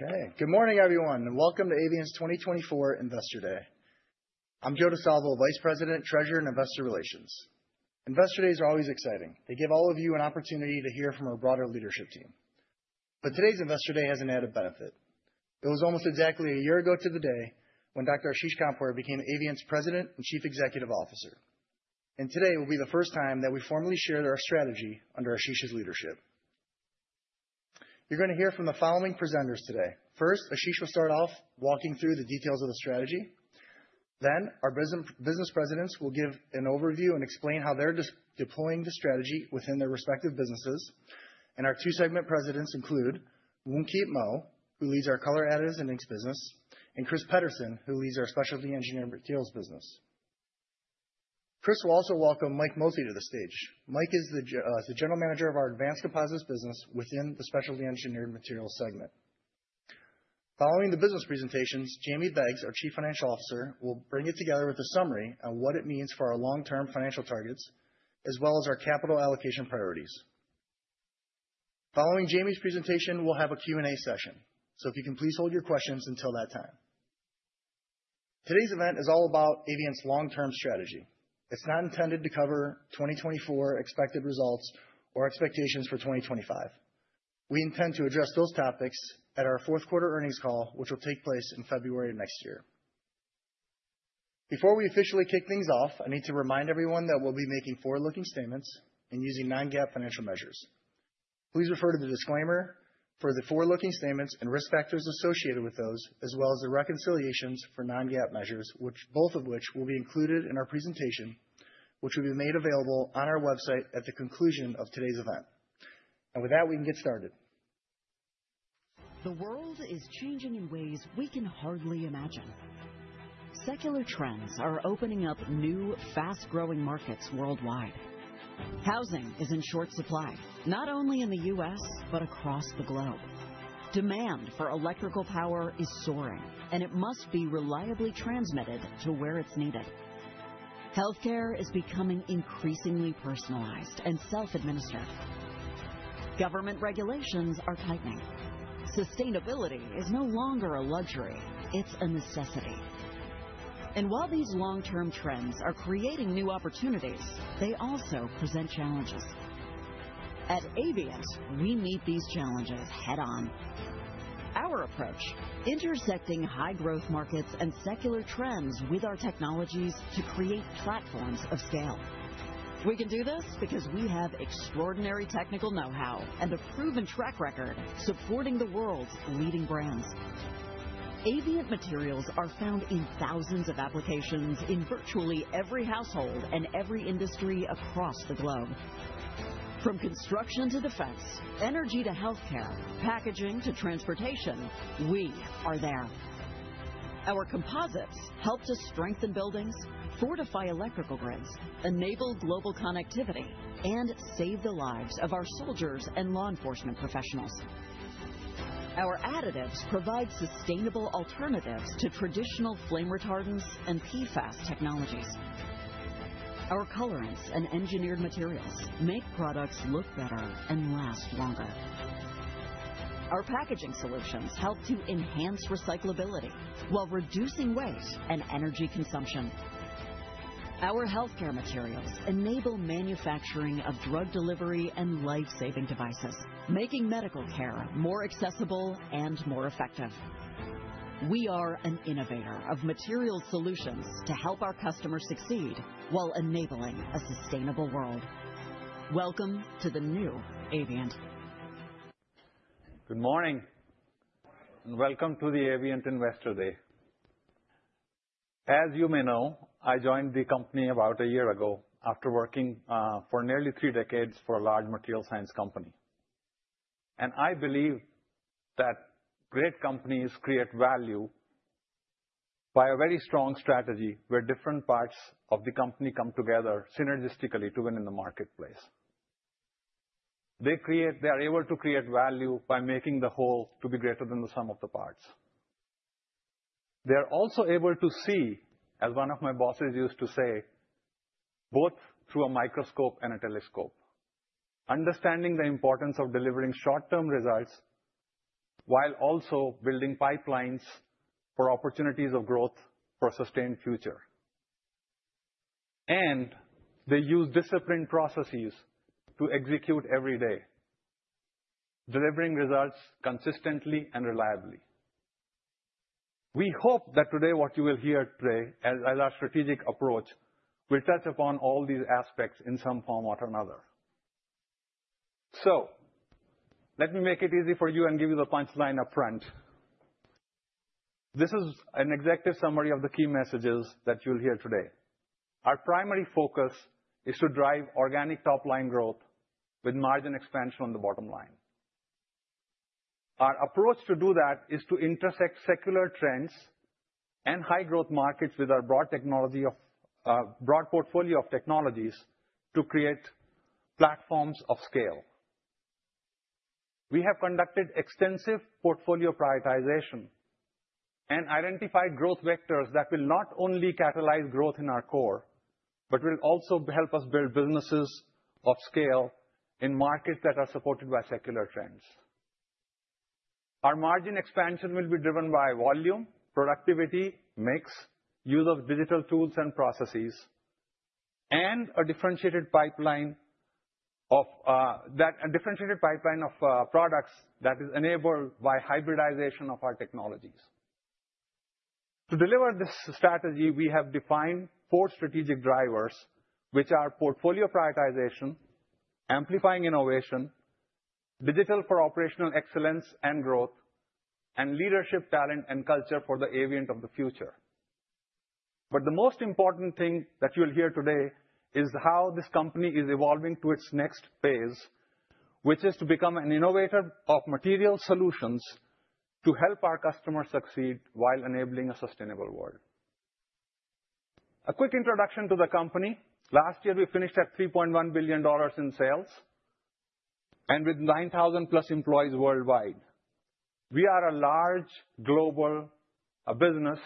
Okay. Good morning, everyone, and welcome to Avient's 2024 Investor Day. I'm Joe Di Salvo, Vice President, Treasurer and Investor Relations. Investor Days are always exciting. They give all of you an opportunity to hear from our broader leadership team. But today's Investor Day has an added benefit. It was almost exactly a year ago to the day when Dr. Ashish Khandpur became Avient's President and Chief Executive Officer. And today will be the first time that we formally shared our strategy under Ashish's leadership. You're going to hear from the following presenters today. First, Ashish will start off walking through the details of the strategy. Then our business presidents will give an overview and explain how they're deploying the strategy within their respective businesses. And our two segment presidents include Woon Keat Moh, who leads our Color, Additives and Inks business, and Chris Pederson, who leads our Specialty Engineered Materials business. Chris will also welcome Mike Mosley to the stage. Mike is the general manager of our Advanced Composites business within the Specialty Engineered Materials segment. Following the business presentations, Jamie Beggs, our Chief Financial Officer, will bring it together with a summary on what it means for our long-term financial targets, as well as our capital allocation priorities. Following Jamie's presentation, we'll have a Q&A session. So if you can please hold your questions until that time. Today's event is all about Avient's long-term strategy. It's not intended to cover 2024 expected results or expectations for 2025. We intend to address those topics at our fourth quarter earnings call, which will take place in February of next year. Before we officially kick things off, I need to remind everyone that we'll be making forward-looking statements and using non-GAAP financial measures. Please refer to the disclaimer for the forward-looking statements and risk factors associated with those, as well as the reconciliations for non-GAAP measures, both of which will be included in our presentation, which will be made available on our website at the conclusion of today's event, and with that, we can get started. The world is changing in ways we can hardly imagine. Secular trends are opening up new, fast-growing markets worldwide. Housing is in short supply, not only in the U.S., but across the globe. Demand for electrical power is soaring, and it must be reliably transmitted to where it's needed. Healthcare is becoming increasingly personalized and self-administered. Government regulations are tightening. Sustainability is no longer a luxury. It's a necessity, and while these long-term trends are creating new opportunities, they also present challenges. At Avient, we meet these challenges head-on. Our approach: intersecting high-growth markets and secular trends with our technologies to create platforms of scale. We can do this because we have extraordinary technical know-how and a proven track record supporting the world's leading brands. Avient materials are found in thousands of applications in virtually every household and every industry across the globe. From construction to defense, energy to healthcare, packaging to transportation, we are there. Our composites help to strengthen buildings, fortify electrical grids, enable global connectivity, and save the lives of our soldiers and law enforcement professionals. Our additives provide sustainable alternatives to traditional flame retardants and PFAS technologies. Our colorants and engineered materials make products look better and last longer. Our packaging solutions help to enhance recyclability while reducing weight and energy consumption. Our healthcare materials enable manufacturing of drug delivery and lifesaving devices, making medical care more accessible and more effective. We are an innovator of material solutions to help our customers succeed while enabling a sustainable world. Welcome to the new Avient. Good morning, and welcome to the Avient Investor Day. As you may know, I joined the company about a year ago after working for nearly three decades for a large materials science company, and I believe that great companies create value by a very strong strategy where different parts of the company come together synergistically to win in the marketplace. They are able to create value by making the whole to be greater than the sum of the parts. They are also able to see, as one of my bosses used to say, both through a microscope and a telescope, understanding the importance of delivering short-term results while also building pipelines for opportunities of growth for a sustained future, and they use disciplined processes to execute every day, delivering results consistently and reliably. We hope that today what you will hear today as our strategic approach will touch upon all these aspects in some form or another. So let me make it easy for you and give you the punchline upfront. This is an executive summary of the key messages that you'll hear today. Our primary focus is to drive organic top-line growth with margin expansion on the bottom line. Our approach to do that is to intersect secular trends and high-growth markets with our broad portfolio of technologies to create platforms of scale. We have conducted extensive portfolio prioritization and identified growth vectors that will not only catalyze growth in our core, but will also help us build businesses of scale in markets that are supported by secular trends. Our margin expansion will be driven by volume, productivity, mix, use of digital tools and processes, and a differentiated pipeline of products that is enabled by hybridization of our technologies. To deliver this strategy, we have defined four strategic drivers, which are portfolio prioritization, amplifying innovation, digital for operational excellence and growth, and leadership, talent, and culture for the Avient of the future. But the most important thing that you'll hear today is how this company is evolving to its next phase, which is to become an innovator of material solutions to help our customers succeed while enabling a sustainable world. A quick introduction to the company: last year, we finished at $3.1 billion in sales and with 9,000+ employees worldwide. We are a large global business,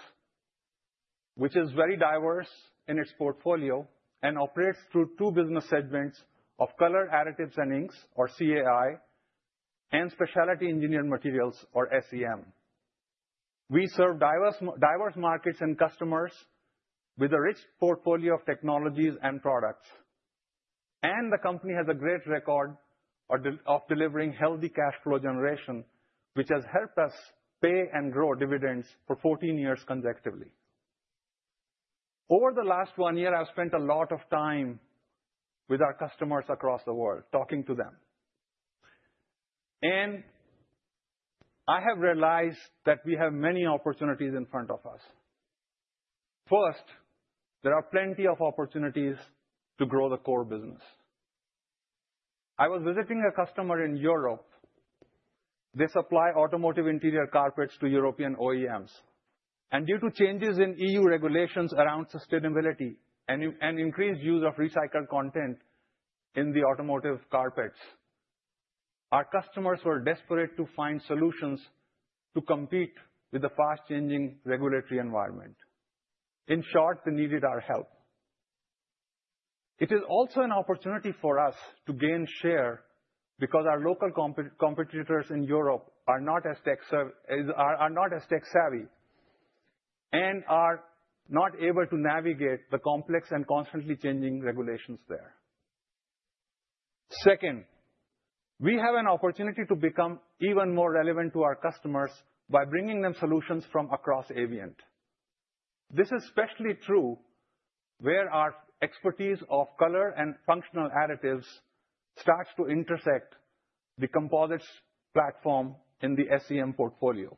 which is very diverse in its portfolio and operates through two business segments of Color, Additives and Inks, or CAI, and Specialty Engineered Materials, or SEM. We serve diverse markets and customers with a rich portfolio of technologies and products. And the company has a great record of delivering healthy cash flow generation, which has helped us pay and grow dividends for 14 years consecutively. Over the last one year, I've spent a lot of time with our customers across the world, talking to them. And I have realized that we have many opportunities in front of us. First, there are plenty of opportunities to grow the core business. I was visiting a customer in Europe. They supply automotive interior carpets to European OEMs. And due to changes in EU regulations around sustainability and increased use of recycled content in the automotive carpets, our customers were desperate to find solutions to compete with the fast-changing regulatory environment. In short, they needed our help. It is also an opportunity for us to gain share because our local competitors in Europe are not as tech-savvy and are not able to navigate the complex and constantly changing regulations there. Second, we have an opportunity to become even more relevant to our customers by bringing them solutions from across Avient. This is especially true where our expertise of color and functional additives starts to intersect the composites platform in the SEM portfolio.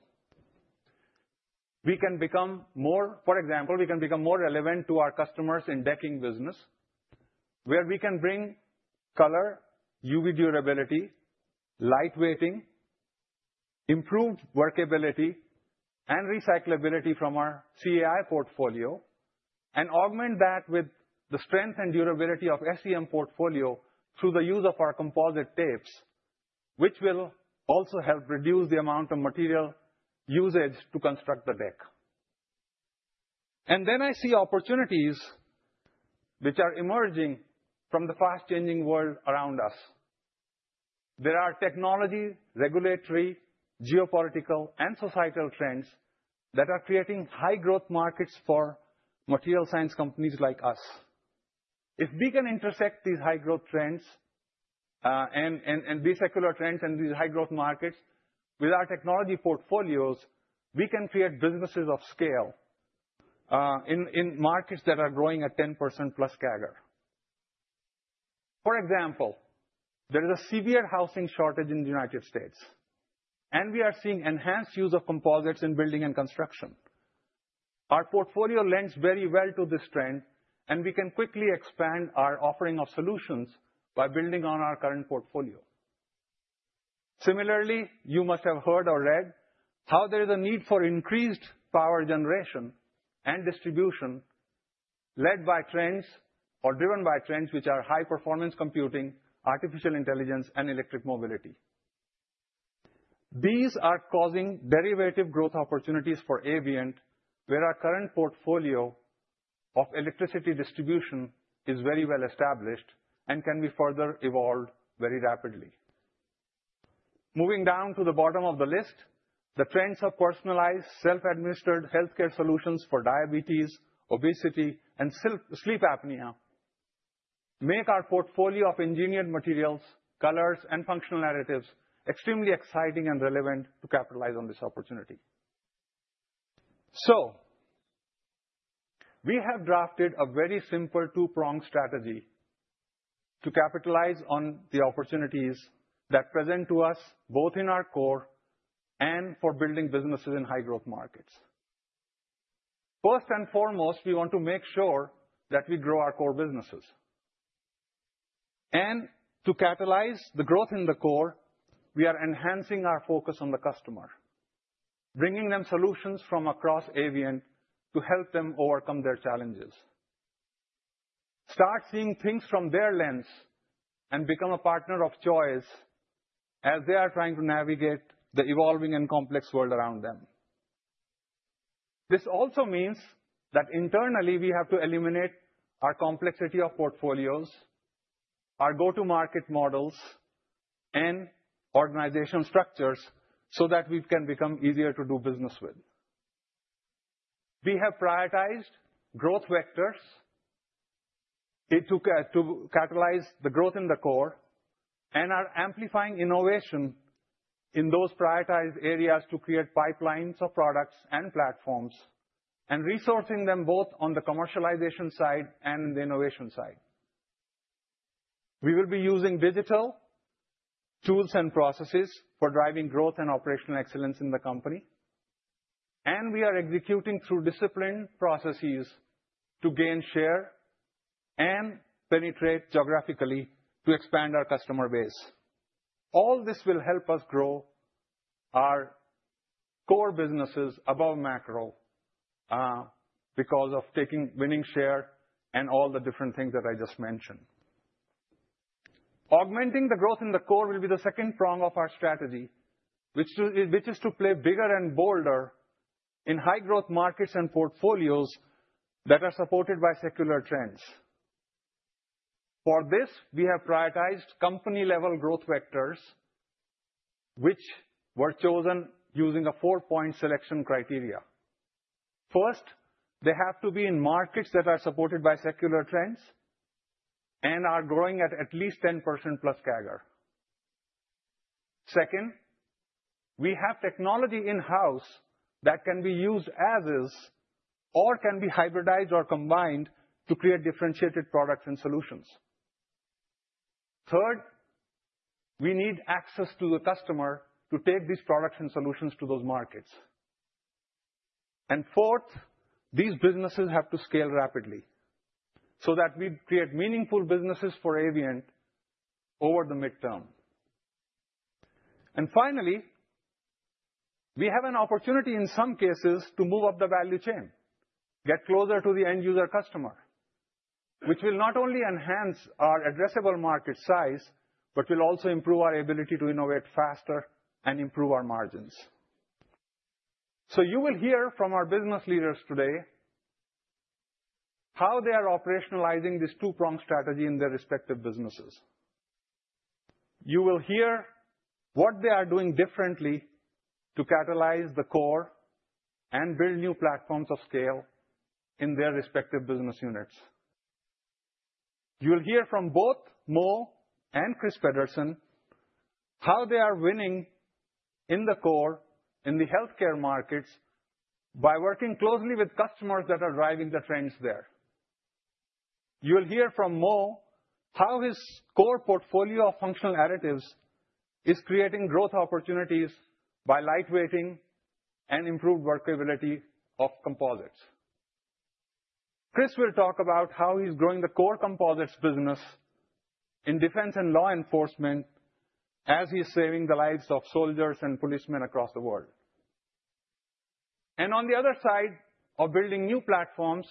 We can become more, for example, we can become more relevant to our customers in decking business, where we can bring color, UV lightweighting, improved workability, and recyclability from our CAI portfolio, and augment that with the strength and durability of the SEM portfolio through the use of our composite tapes, which will also help reduce the amount of material usage to construct the deck, and then I see opportunities which are emerging from the fast-changing world around us. There are technology, regulatory, geopolitical, and societal trends that are creating high-growth markets for materials science companies like us. If we can intersect these high-growth trends and these secular trends and these high-growth markets with our technology portfolios, we can create businesses of scale in markets that are growing at 10%+ CAGR. For example, there is a severe housing shortage in the U.S., and we are seeing enhanced use of composites in building and construction. Our portfolio lends very well to this trend, and we can quickly expand our offering of solutions by building on our current portfolio. Similarly, you must have heard or read how there is a need for increased power generation and distribution led by trends or driven by trends which are high-performance computing, artificial intelligence, and electric mobility. These are causing derivative growth opportunities for Avient, where our current portfolio of electricity distribution is very well established and can be further evolved very rapidly. Moving down to the bottom of the list, the trends of personalized, self-administered healthcare solutions for diabetes, obesity, and sleep apnea make our portfolio of engineered materials, colors, and functional additives extremely exciting and relevant to capitalize on this opportunity. So we have drafted a very simple two-pronged strategy to capitalize on the opportunities that present to us both in our core and for building businesses in high-growth markets. First and foremost, we want to make sure that we grow our core businesses. And to capitalize the growth in the core, we are enhancing our focus on the customer, bringing them solutions from across Avient to help them overcome their challenges. Start seeing things from their lens and become a partner of choice as they are trying to navigate the evolving and complex world around them. This also means that internally, we have to eliminate our complexity of portfolios, our go-to-market models, and organizational structures so that we can become easier to do business with. We have prioritized growth vectors to capitalize on the growth in the core and are amplifying innovation in those prioritized areas to create pipelines of products and platforms and resourcing them both on the commercialization side and the innovation side. We will be using digital tools and processes for driving growth and operational excellence in the company, and we are executing through disciplined processes to gain share and penetrate geographically to expand our customer base. All this will help us grow our core businesses above macro because of taking winning share and all the different things that I just mentioned. Augmenting the growth in the core will be the second prong of our strategy, which is to play bigger and bolder in high-growth markets and portfolios that are supported by secular trends. For this, we have prioritized company-level growth vectors, which were chosen using a four-point selection criteria. First, they have to be in markets that are supported by secular trends and are growing at least 10%+ CAGR. Second, we have technology in-house that can be used as is or can be hybridized or combined to create differentiated products and solutions. Third, we need access to the customer to take these products and solutions to those markets. And fourth, these businesses have to scale rapidly so that we create meaningful businesses for Avient over the midterm. And finally, we have an opportunity in some cases to move up the value chain, get closer to the end-user customer, which will not only enhance our addressable market size, but will also improve our ability to innovate faster and improve our margins. So you will hear from our business leaders today how they are operationalizing this two-pronged strategy in their respective businesses. You will hear what they are doing differently to capitalize the core and build new platforms of scale in their respective business units. You will hear from both Moh and Chris Pederson how they are winning in the core in the healthcare markets by working closely with customers that are driving the trends there. You will hear from Moh how his core portfolio of functional additives is creating growth opportunities lightweighting and improved workability of composites. Chris will talk about how he's growing the core composites business in defense and law enforcement as he's saving the lives of soldiers and policemen across the world, and on the other side of building new platforms,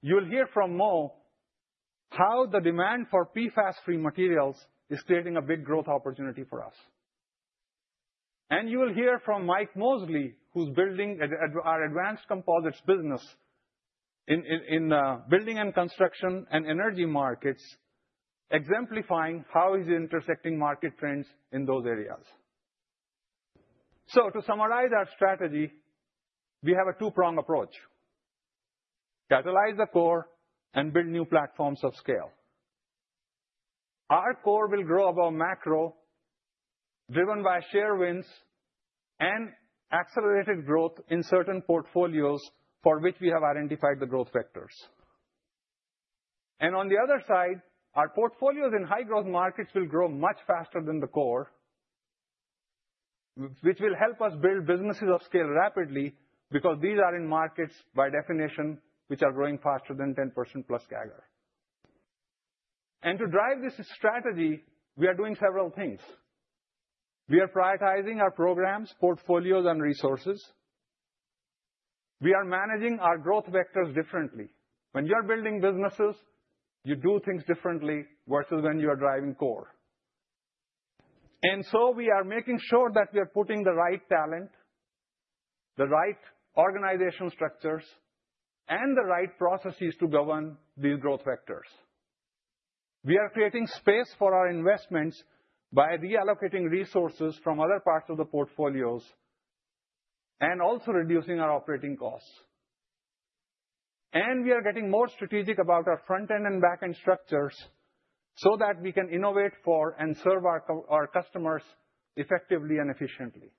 you'll hear from Moh how the demand for PFAS-free materials is creating a big growth opportunity for us. And you will hear from Mike Mosley, who's building our Advanced Composites business in building and construction and energy markets, exemplifying how he's intersecting market trends in those areas. So to summarize our strategy, we have a two-pronged approach: capitalize the core and build new platforms of scale. Our core will grow above macro, driven by share wins and accelerated growth in certain portfolios for which we have identified the growth vectors. And on the other side, our portfolios in high-growth markets will grow much faster than the core, which will help us build businesses of scale rapidly because these are in markets by definition which are growing faster than 10%+ CAGR. And to drive this strategy, we are doing several things. We are prioritizing our programs, portfolios, and resources. We are managing our growth vectors differently. When you are building businesses, you do things differently versus when you are driving core. And so we are making sure that we are putting the right talent, the right organizational structures, and the right processes to govern these growth vectors. We are creating space for our investments by reallocating resources from other parts of the portfolios and also reducing our operating costs. And we are getting more strategic about our front-end and back-end structures so that we can innovate for and serve our customers effectively and efficiently.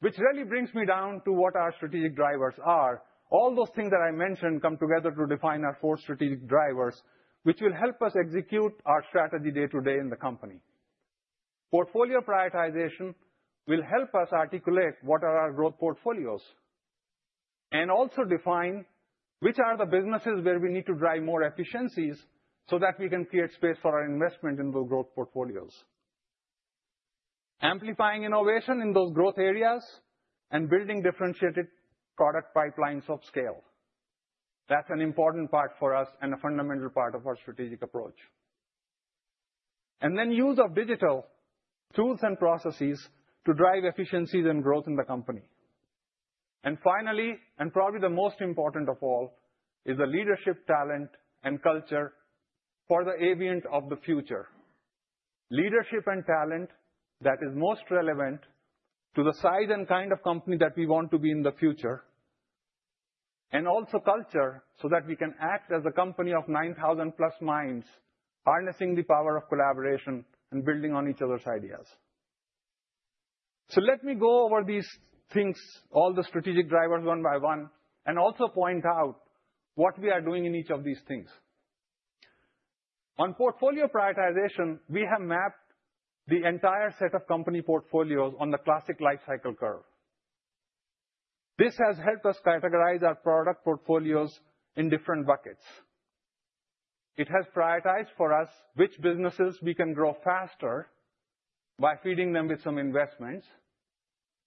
Which really brings me down to what our strategic drivers are. All those things that I mentioned come together to define our four strategic drivers, which will help us execute our strategy day-to-day in the company. Portfolio prioritization will help us articulate what our growth portfolios are and also define which are the businesses where we need to drive more efficiencies so that we can create space for our investment in those growth portfolios, amplifying innovation in those growth areas and building differentiated product pipelines of scale. That's an important part for us and a fundamental part of our strategic approach, and then use of digital tools and processes to drive efficiencies and growth in the company, and finally, and probably the most important of all, is the leadership, talent, and culture for the Avient of the future. Leadership and talent that is most relevant to the size and kind of company that we want to be in the future, and also culture so that we can act as a company of 9,000+ minds harnessing the power of collaboration and building on each other's ideas. So let me go over these things, all the strategic drivers one by one, and also point out what we are doing in each of these things. On portfolio prioritization, we have mapped the entire set of company portfolios on the classic lifecycle curve. This has helped us categorize our product portfolios in different buckets. It has prioritized for us which businesses we can grow faster by feeding them with some investments,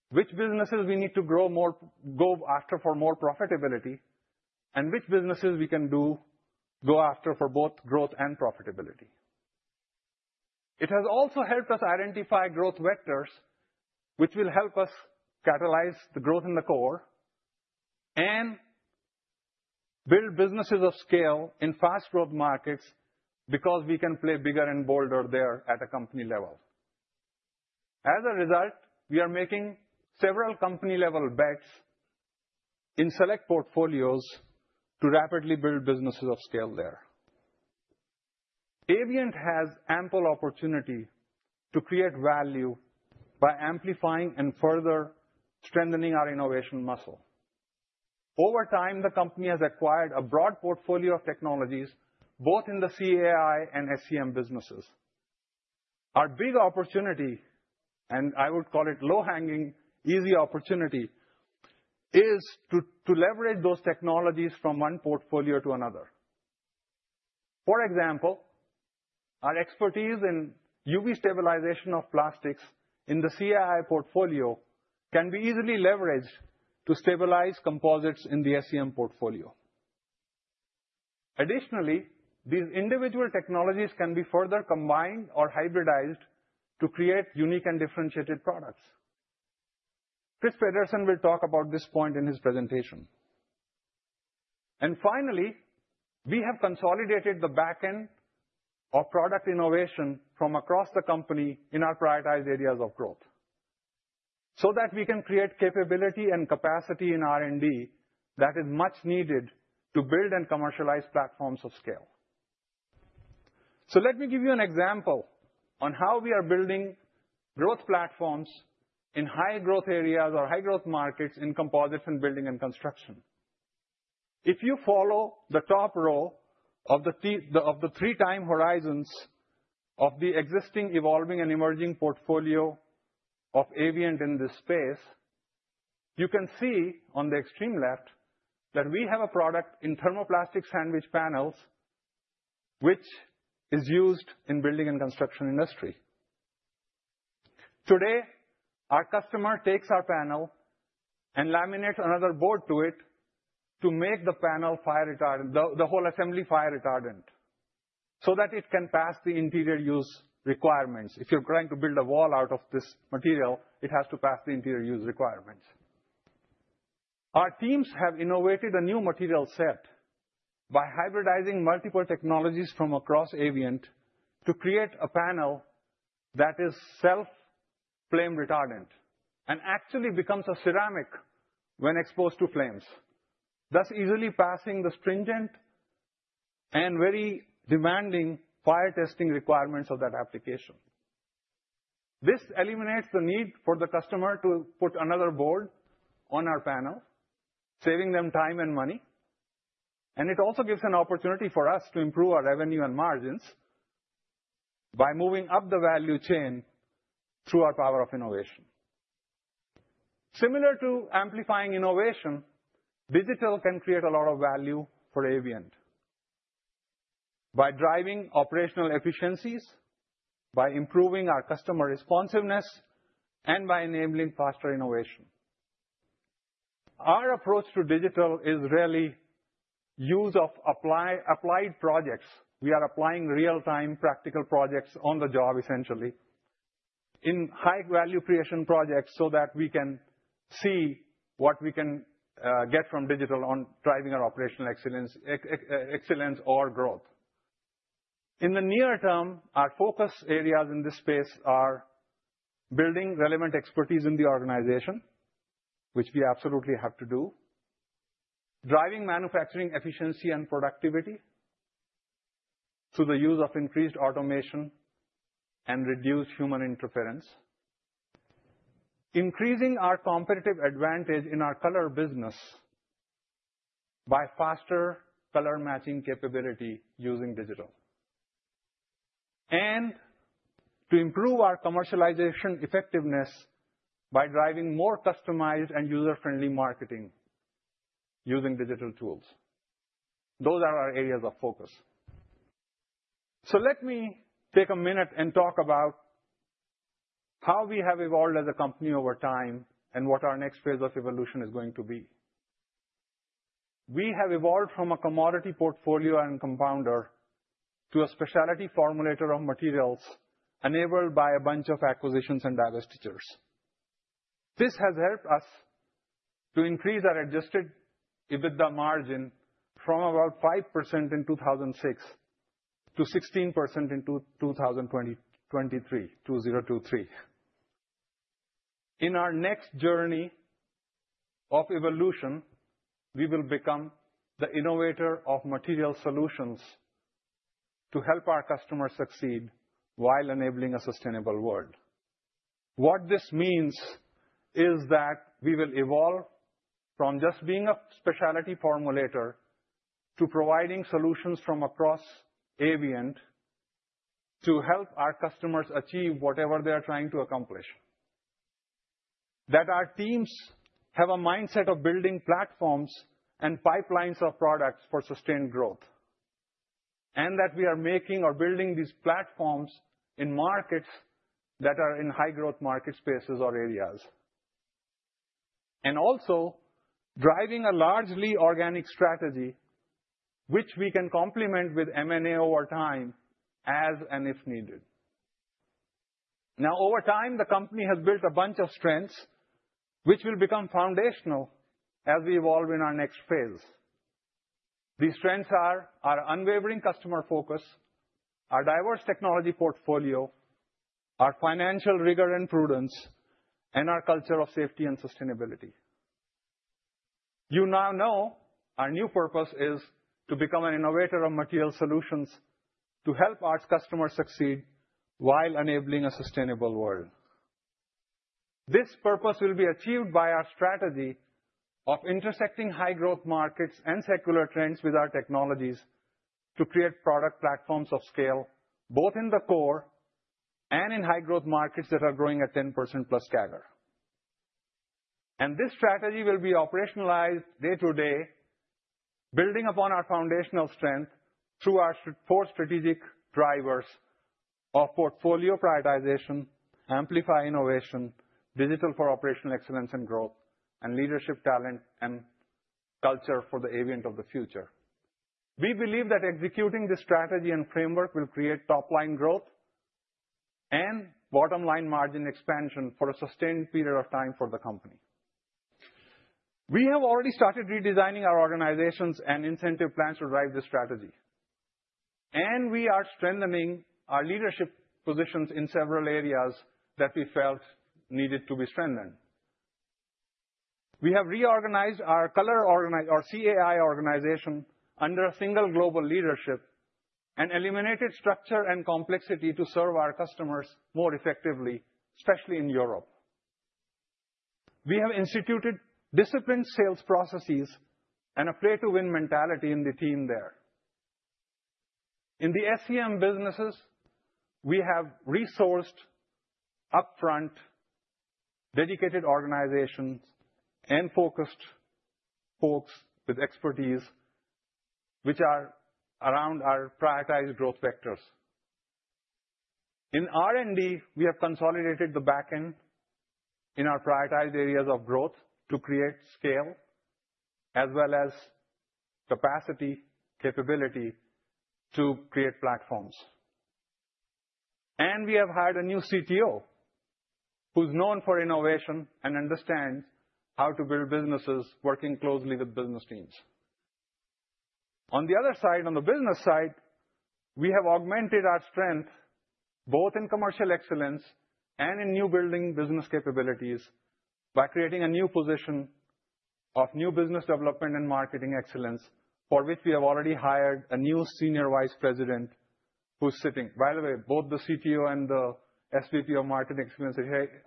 which businesses we need to go after for more profitability, and which businesses we can go after for both growth and profitability. It has also helped us identify growth vectors, which will help us capitalize the growth in the core and build businesses of scale in fast-growth markets because we can play bigger and bolder there at a company level. As a result, we are making several company-level bets in select portfolios to rapidly build businesses of scale there. Avient has ample opportunity to create value by amplifying and further strengthening our innovation muscle. Over time, the company has acquired a broad portfolio of technologies both in the CAI and SEM businesses. Our big opportunity, and I would call it low-hanging, easy opportunity, is to leverage those technologies from one portfolio to another. For example, our expertise in UV stabilization of plastics in the CAI portfolio can be easily leveraged to stabilize composites in the SEM portfolio. Additionally, these individual technologies can be further combined or hybridized to create unique and differentiated products. Chris Pederson will talk about this point in his presentation. Finally, we have consolidated the backend of product innovation from across the company in our prioritized areas of growth so that we can create capability and capacity in R&D that is much needed to build and commercialize platforms of scale. Let me give you an example on how we are building growth platforms in high-growth areas or high-growth markets in composites and building and construction. If you follow the top row of the three time horizons of the existing, evolving, and emerging portfolio of Avient in this space, you can see on the extreme left that we have a product in thermoplastic sandwich panels, which is used in the building and construction industry. Today, our customer takes our panel and laminates another board to it to make the panel fire retardant, the whole assembly fire retardant, so that it can pass the interior use requirements. If you're trying to build a wall out of this material, it has to pass the interior use requirements. Our teams have innovated a new material set by hybridizing multiple technologies from across Avient to create a panel that is self-flame-retardant and actually becomes a ceramic when exposed to flames, thus easily passing the stringent and very demanding fire testing requirements of that application. This eliminates the need for the customer to put another board on our panel, saving them time and money. And it also gives an opportunity for us to improve our revenue and margins by moving up the value chain through our power of innovation. Similar to amplifying innovation, digital can create a lot of value for Avient by driving operational efficiencies, by improving our customer responsiveness, and by enabling faster innovation. Our approach to digital is really use of applied projects. We are applying real-time practical projects on the job, essentially, in high-value creation projects so that we can see what we can get from digital on driving our operational excellence or growth. In the near term, our focus areas in this space are building relevant expertise in the organization, which we absolutely have to do, driving manufacturing efficiency and productivity through the use of increased automation and reduced human interference, increasing our competitive advantage in our color business by faster color matching capability using digital, and to improve our commercialization effectiveness by driving more customized and user-friendly marketing using digital tools. Those are our areas of focus. So let me take a minute and talk about how we have evolved as a company over time and what our next phase of evolution is going to be. We have evolved from a commodity portfolio and compounder to a specialty formulator of materials enabled by a bunch of acquisitions and divestitures. This has helped us to increase our Adjusted EBITDA margin from about 5% in 2006 to 16% in 2023. In our next journey of evolution, we will become the innovator of material solutions to help our customers succeed while enabling a sustainable world. What this means is that we will evolve from just being a specialty formulator to providing solutions from across Avient to help our customers achieve whatever they are trying to accomplish, that our teams have a mindset of building platforms and pipelines of products for sustained growth, and that we are making or building these platforms in markets that are in high-growth market spaces or areas, and also driving a largely organic strategy, which we can complement with M&A over time as and if needed. Now, over time, the company has built a bunch of strengths which will become foundational as we evolve in our next phase. These strengths are our unwavering customer focus, our diverse technology portfolio, our financial rigor and prudence, and our culture of safety and sustainability. You now know our new purpose is to become an innovator of material solutions to help our customers succeed while enabling a sustainable world. This purpose will be achieved by our strategy of intersecting high-growth markets and secular trends with our technologies to create product platforms of scale both in the core and in high-growth markets that are growing at 10%+ CAGR. And this strategy will be operationalized day-to-day, building upon our foundational strength through our four strategic drivers of portfolio prioritization, amplify innovation, digital for operational excellence and growth, and leadership, talent, and culture for the Avient of the future. We believe that executing this strategy and framework will create top-line growth and bottom-line margin expansion for a sustained period of time for the company. We have already started redesigning our organizations and incentive plans to drive this strategy. We are strengthening our leadership positions in several areas that we felt needed to be strengthened. We have reorganized our color or CAI organization under a single global leadership and eliminated structure and complexity to serve our customers more effectively, especially in Europe. We have instituted disciplined sales processes and a play-to-win mentality in the team there. In the SEM businesses, we have resourced upfront dedicated organizations and focused folks with expertise which are around our prioritized growth vectors. In R&D, we have consolidated the backend in our prioritized areas of growth to create scale as well as capacity, capability to create platforms. We have hired a new CTO who's known for innovation and understands how to build businesses working closely with business teams. On the other side, on the business side, we have augmented our strength both in commercial excellence and in new building business capabilities by creating a new position of new business development and marketing excellence for which we have already hired a new Senior Vice President who's sitting. By the way, both the CTO and the SVP of marketing excellence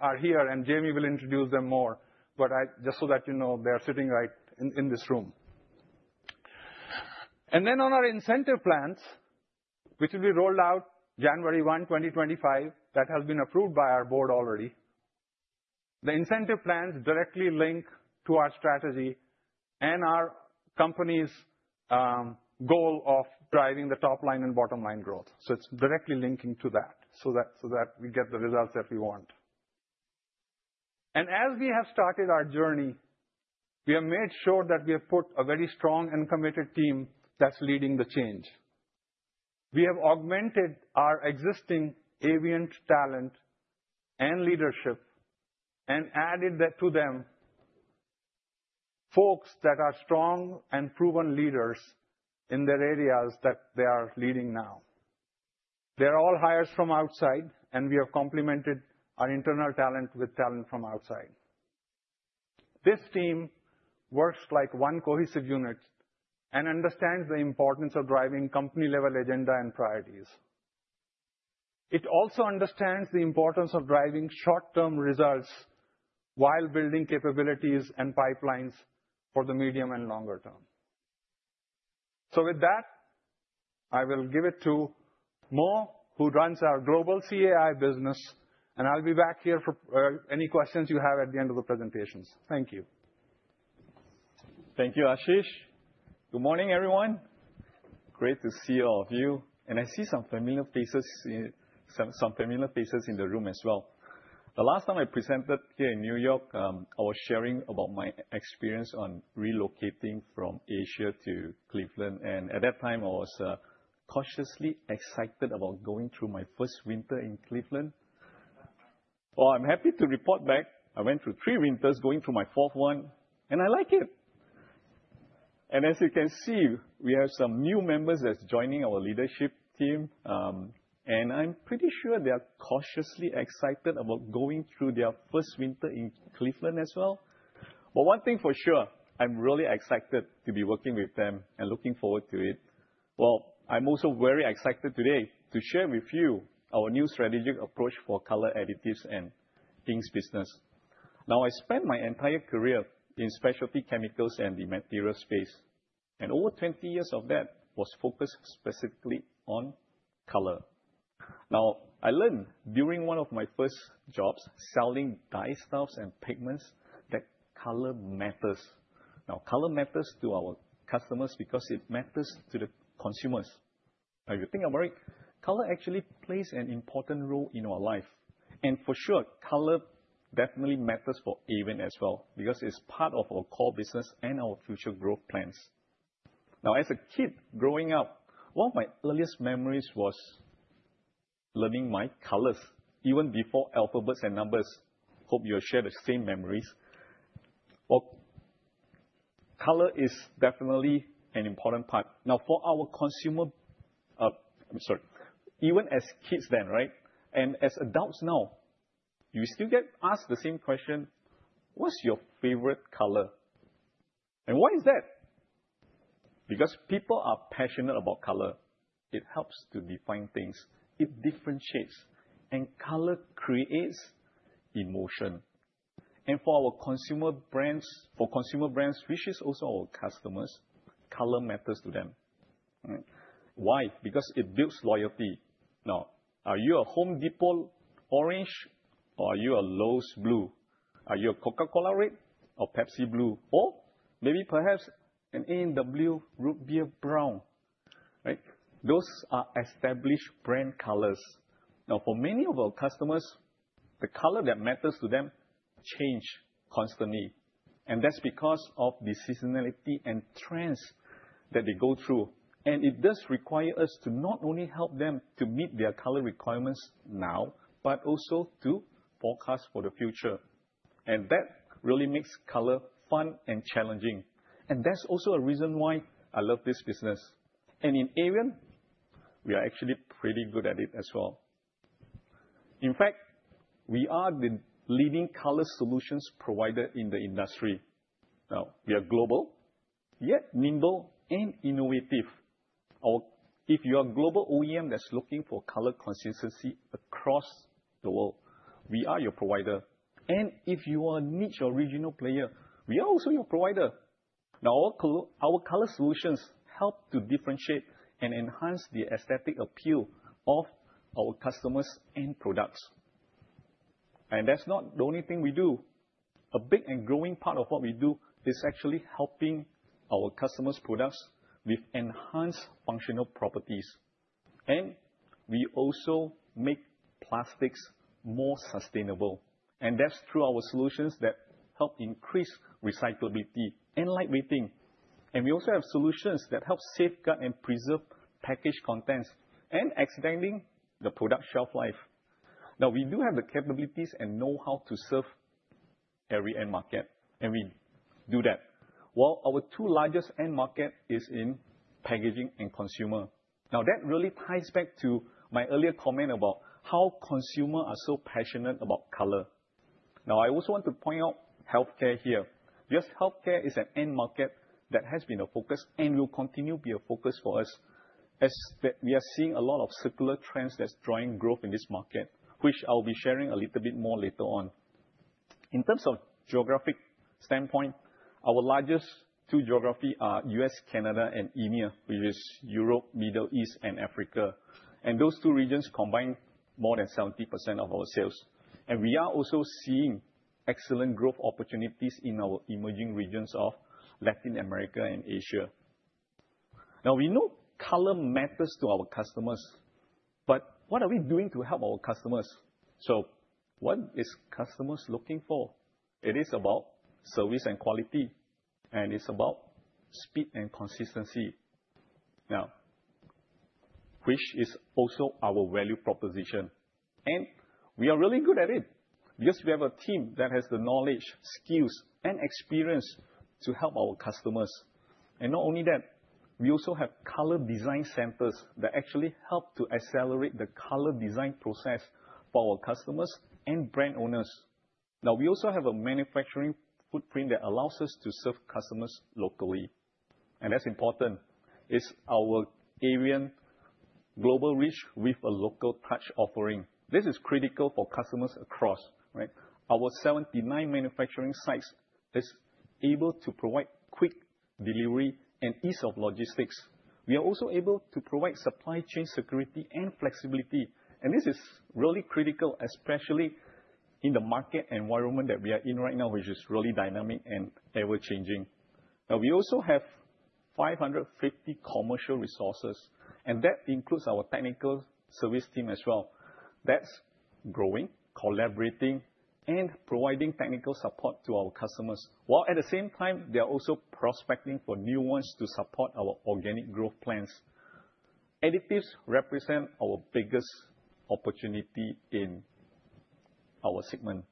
are here, and Jamie will introduce them more, but just so that you know, they are sitting right in this room. Then on our incentive plans, which will be rolled out January 1, 2025, that has been approved by our board already. The incentive plans directly link to our strategy and our company's goal of driving the top-line and bottom-line growth. It's directly linking to that so that we get the results that we want. As we have started our journey, we have made sure that we have put a very strong and committed team that's leading the change. We have augmented our existing Avient talent and leadership and added to them folks that are strong and proven leaders in their areas that they are leading now. They are all hires from outside, and we have complemented our internal talent with talent from outside. This team works like one cohesive unit and understands the importance of driving company-level agenda and priorities. It also understands the importance of driving short-term results while building capabilities and pipelines for the medium and longer term. With that, I will give it to Moh, who runs our global CAI business, and I'll be back here for any questions you have at the end of the presentations. Thank you. Thank you, Ashish. Good morning, everyone. Great to see all of you, and I see some familiar faces in the room as well. The last time I presented here in New York, I was sharing about my experience on relocating from Asia to Cleveland, and at that time, I was cautiously excited about going through my first winter in Cleveland. Well, I'm happy to report back. I went through three winters going through my fourth one, and I like it, and as you can see, we have some new members that are joining our leadership team, and I'm pretty sure they are cautiously excited about going through their first winter in Cleveland as well, but one thing for sure, I'm really excited to be working with them and looking forward to it. Well, I'm also very excited today to share with you our new strategic approach for Color, Additives and Inks business. Now, I spent my entire career in specialty chemicals and the material space, and over 20 years of that was focused specifically on color. Now, I learned during one of my first jobs selling dyestuffs and pigments that color matters. Now, color matters to our customers because it matters to the consumers. Now, if you think about it, color actually plays an important role in our life. For sure, color definitely matters for Avient as well because it's part of our core business and our future growth plans. Now, as a kid growing up, one of my earliest memories was learning my colors, even before alphabets and numbers. Hope you'll share the same memories. Color is definitely an important part. Now, for our consumer, sorry, even as kids then, right? And as adults now, you still get asked the same question, "What's your favorite color?" And why is that? Because people are passionate about color. It helps to define things. It differentiates. And color creates emotion. And for our consumer brands, for consumer brands, which is also our customers, color matters to them. Why? Because it builds loyalty. Now, are you a Home Depot orange or are you a Lowe's blue? Are you a Coca-Cola red or Pepsi blue? Or maybe perhaps an A&W Root Beer brown, right? Those are established brand colors. Now, for many of our customers, the color that matters to them changes constantly. And that's because of the seasonality and trends that they go through. And it does require us to not only help them to meet their color requirements now, but also to forecast for the future. And that really makes color fun and challenging. And that's also a reason why I love this business. And in Avient, we are actually pretty good at it as well. In fact, we are the leading color solutions provider in the industry. Now, we are global, yet nimble and innovative. If you are a global OEM that's looking for color consistency across the world, we are your provider. And if you are a niche or regional player, we are also your provider. Now, our color solutions help to differentiate and enhance the aesthetic appeal of our customers and products. And that's not the only thing we do. A big and growing part of what we do is actually helping our customers' products with enhanced functional properties. And we also make plastics more sustainable. And that's through our solutions that help increase recyclability and lightweighting. We also have solutions that help safeguard and preserve package contents and extending the product shelf life. Now, we do have the capabilities and know-how to serve every end market, and we do that. Our two largest end markets are in packaging and consumer. Now, that really ties back to my earlier comment about how consumers are so passionate about color. Now, I also want to point out healthcare here. Just healthcare is an end market that has been a focus and will continue to be a focus for us as we are seeing a lot of secular trends that are drawing growth in this market, which I'll be sharing a little bit more later on. In terms of geographic standpoint, our largest two geographies are the U.S., Canada, and EMEA, which is Europe, the Middle East, and Africa. Those two regions combine more than 70% of our sales. We are also seeing excellent growth opportunities in our emerging regions of Latin America and Asia. Now, we know color matters to our customers, but what are we doing to help our customers? What are customers looking for? It is about service and quality, and it's about speed and consistency, which is also our value proposition. We are really good at it because we have a team that has the knowledge, skills, and experience to help our customers. Not only that, we also have color design centers that actually help to accelerate the color design process for our customers and brand owners. Now, we also have a manufacturing footprint that allows us to serve customers locally. That's important. It's our Avient global reach with a local touch offering. This is critical for customers across, right? Our 79 manufacturing sites are able to provide quick delivery and ease of logistics. We are also able to provide supply chain security and flexibility. And this is really critical, especially in the market environment that we are in right now, which is really dynamic and ever-changing. Now, we also have 550 commercial resources, and that includes our technical service team as well. That's growing, collaborating, and providing technical support to our customers. While at the same time, they are also prospecting for new ones to support our organic growth plans. Additives represent our biggest opportunity in our segment.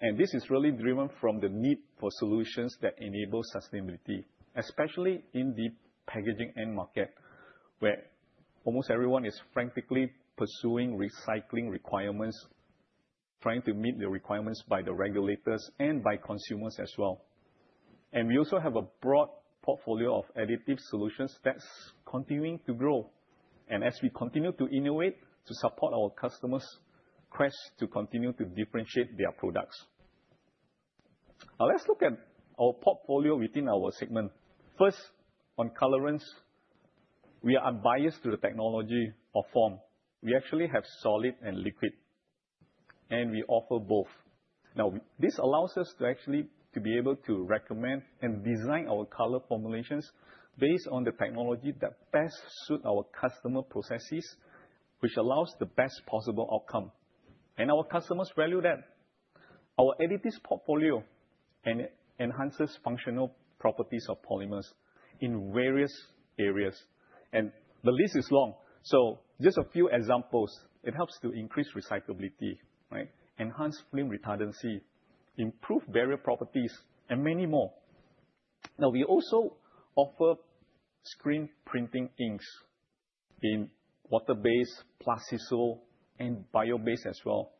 And this is really driven from the need for solutions that enable sustainability, especially in the packaging end market, where almost everyone is frantically pursuing recycling requirements, trying to meet the requirements by the regulators and by consumers as well. And we also have a broad portfolio of additive solutions that's continuing to grow. And as we continue to innovate to support our customers, helps to continue to differentiate their products. Now, let's look at our portfolio within our segment. First, on colorants, we are unbiased to the technology or form. We actually have solid and liquid, and we offer both. Now, this allows us to actually be able to recommend and design our color formulations based on the technology that best suits our customer processes, which allows the best possible outcome. And our customers value that. Our additives portfolio enhances functional properties of polymers in various areas. And the list is long. So just a few examples. It helps to increase recyclability, enhance flame retardancy, improve barrier properties, and many more. Now, we also offer screen printing inks in water-based, plastic-based, and bio-based as well.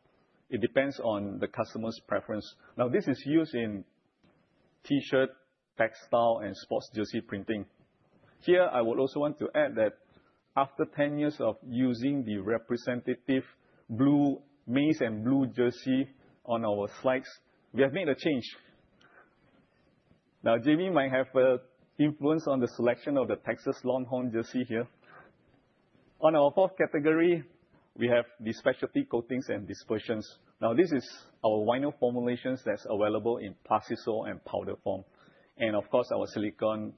It depends on the customer's preference. Now, this is used in T-shirt, textile, and sports jersey printing. Here, I would also want to add that after 10 years of using the representative blue, maize and blue jersey on our slides, we have made a change. Now, Jamie might have an influence on the selection of the Texas Longhorns jersey here. On our fourth category, we have the specialty coatings and dispersions. Now, this is our vinyl formulations that are available in plastic-based and powder form. And of course, our silicone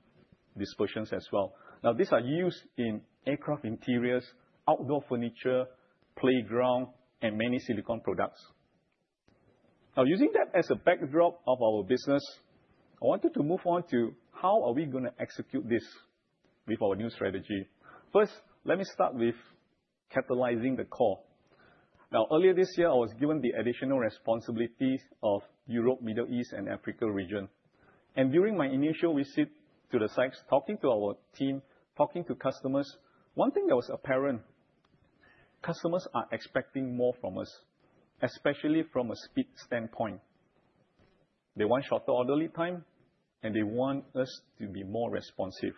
dispersions as well. Now, these are used in aircraft interiors, outdoor furniture, playgrounds, and many silicone products. Now, using that as a backdrop of our business, I wanted to move on to how are we going to execute this with our new strategy. First, let me start with catalyzing the core. Now, earlier this year, I was given the additional responsibility of Europe, the Middle East, and Africa region. And during my initial visit to the sites, talking to our team, talking to customers, one thing that was apparent, customers are expecting more from us, especially from a speed standpoint. They want shorter lead time, and they want us to be more responsive.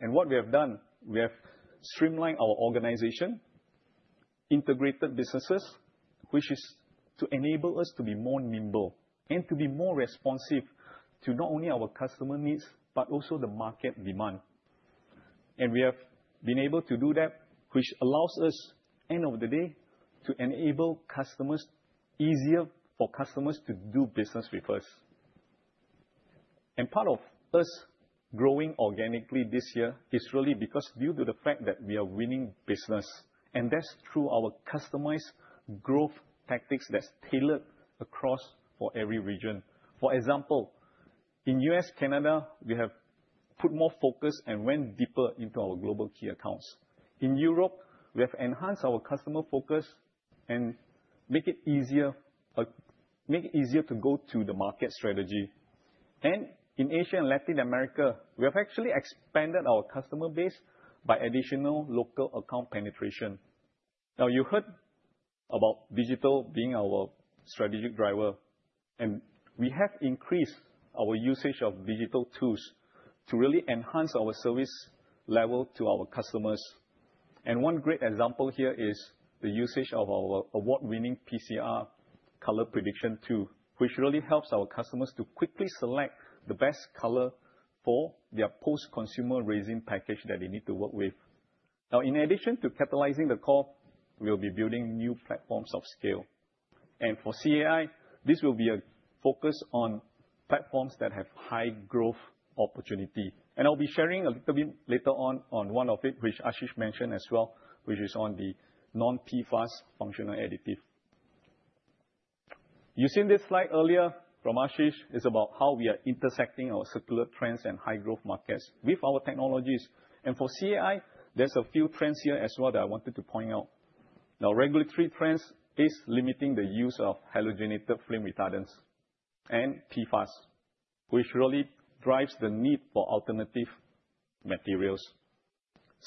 And what we have done, we have streamlined our organization, integrated businesses, which is to enable us to be more nimble and to be more responsive to not only our customer needs, but also the market demand. And we have been able to do that, which allows us, at the end of the day, to enable customers easier for customers to do business with us. And part of us growing organically this year is really because due to the fact that we are winning business. That's through our customized growth tactics that are tailored across for every region. For example, in the U.S., Canada, we have put more focus and went deeper into our global key accounts. In Europe, we have enhanced our customer focus and made it easier to go to the market strategy. In Asia and Latin America, we have actually expanded our customer base by additional local account penetration. Now, you heard about digital being our strategic driver. We have increased our usage of digital tools to really enhance our service level to our customers. One great example here is the usage of our award-winning PCR color prediction tool, which really helps our customers to quickly select the best color for their post-consumer resin package that they need to work with. Now, in addition to catalyzing the core, we'll be building new platforms of scale. For CAI, this will be a focus on platforms that have high growth opportunity. I'll be sharing a little bit later on one of it, which Ashish mentioned as well, which is on the non-PFAS functional additive. Using this slide earlier from Ashish is about how we are intersecting our secular trends and high-growth markets with our technologies. For CAI, there's a few trends here as well that I wanted to point out. Now, regulatory trends are limiting the use of halogenated flame retardants and PFAS, which really drives the need for alternative materials.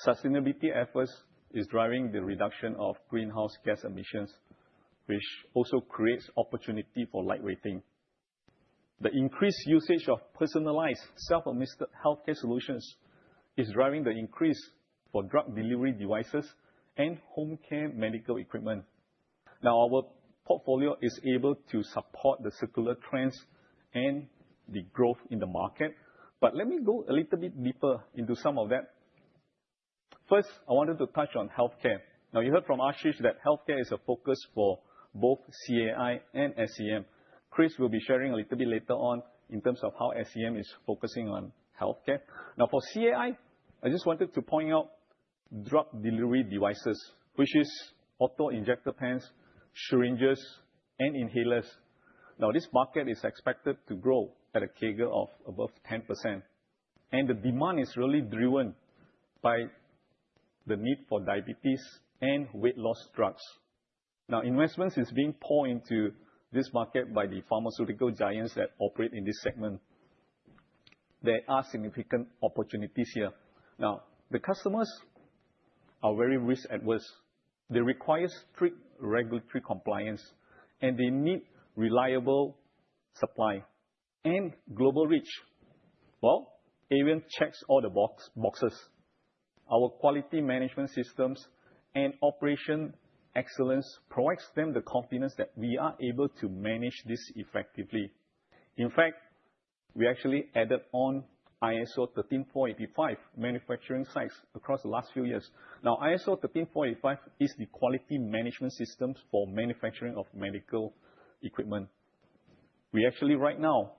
Sustainability efforts are driving the reduction of greenhouse gas emissions, which also creates opportunity lightweighting. the increased usage of personalized self-administered healthcare solutions is driving the increase for drug delivery devices and home care medical equipment. Now, our portfolio is able to support the secular trends and the growth in the market. But let me go a little bit deeper into some of that. First, I wanted to touch on healthcare. Now, you heard from Ashish that healthcare is a focus for both CAI and SEM. Chris will be sharing a little bit later on in terms of how SEM is focusing on healthcare. Now, for CAI, I just wanted to point out drug delivery devices, which are auto injector pens, syringes, and inhalers. Now, this market is expected to grow at a CAGR of above 10%. And the demand is really driven by the need for diabetes and weight loss drugs. Now, investments are being poured into this market by the pharmaceutical giants that operate in this segment. There are significant opportunities here. Now, the customers are very risk averse. They require strict regulatory compliance, and they need reliable supply and global reach. Avient checks all the boxes. Our quality management systems and operational excellence provide them the confidence that we are able to manage this effectively. In fact, we actually added on ISO 13485 manufacturing sites across the last few years. Now, ISO 13485 is the quality management system for manufacturing of medical equipment. We actually, right now,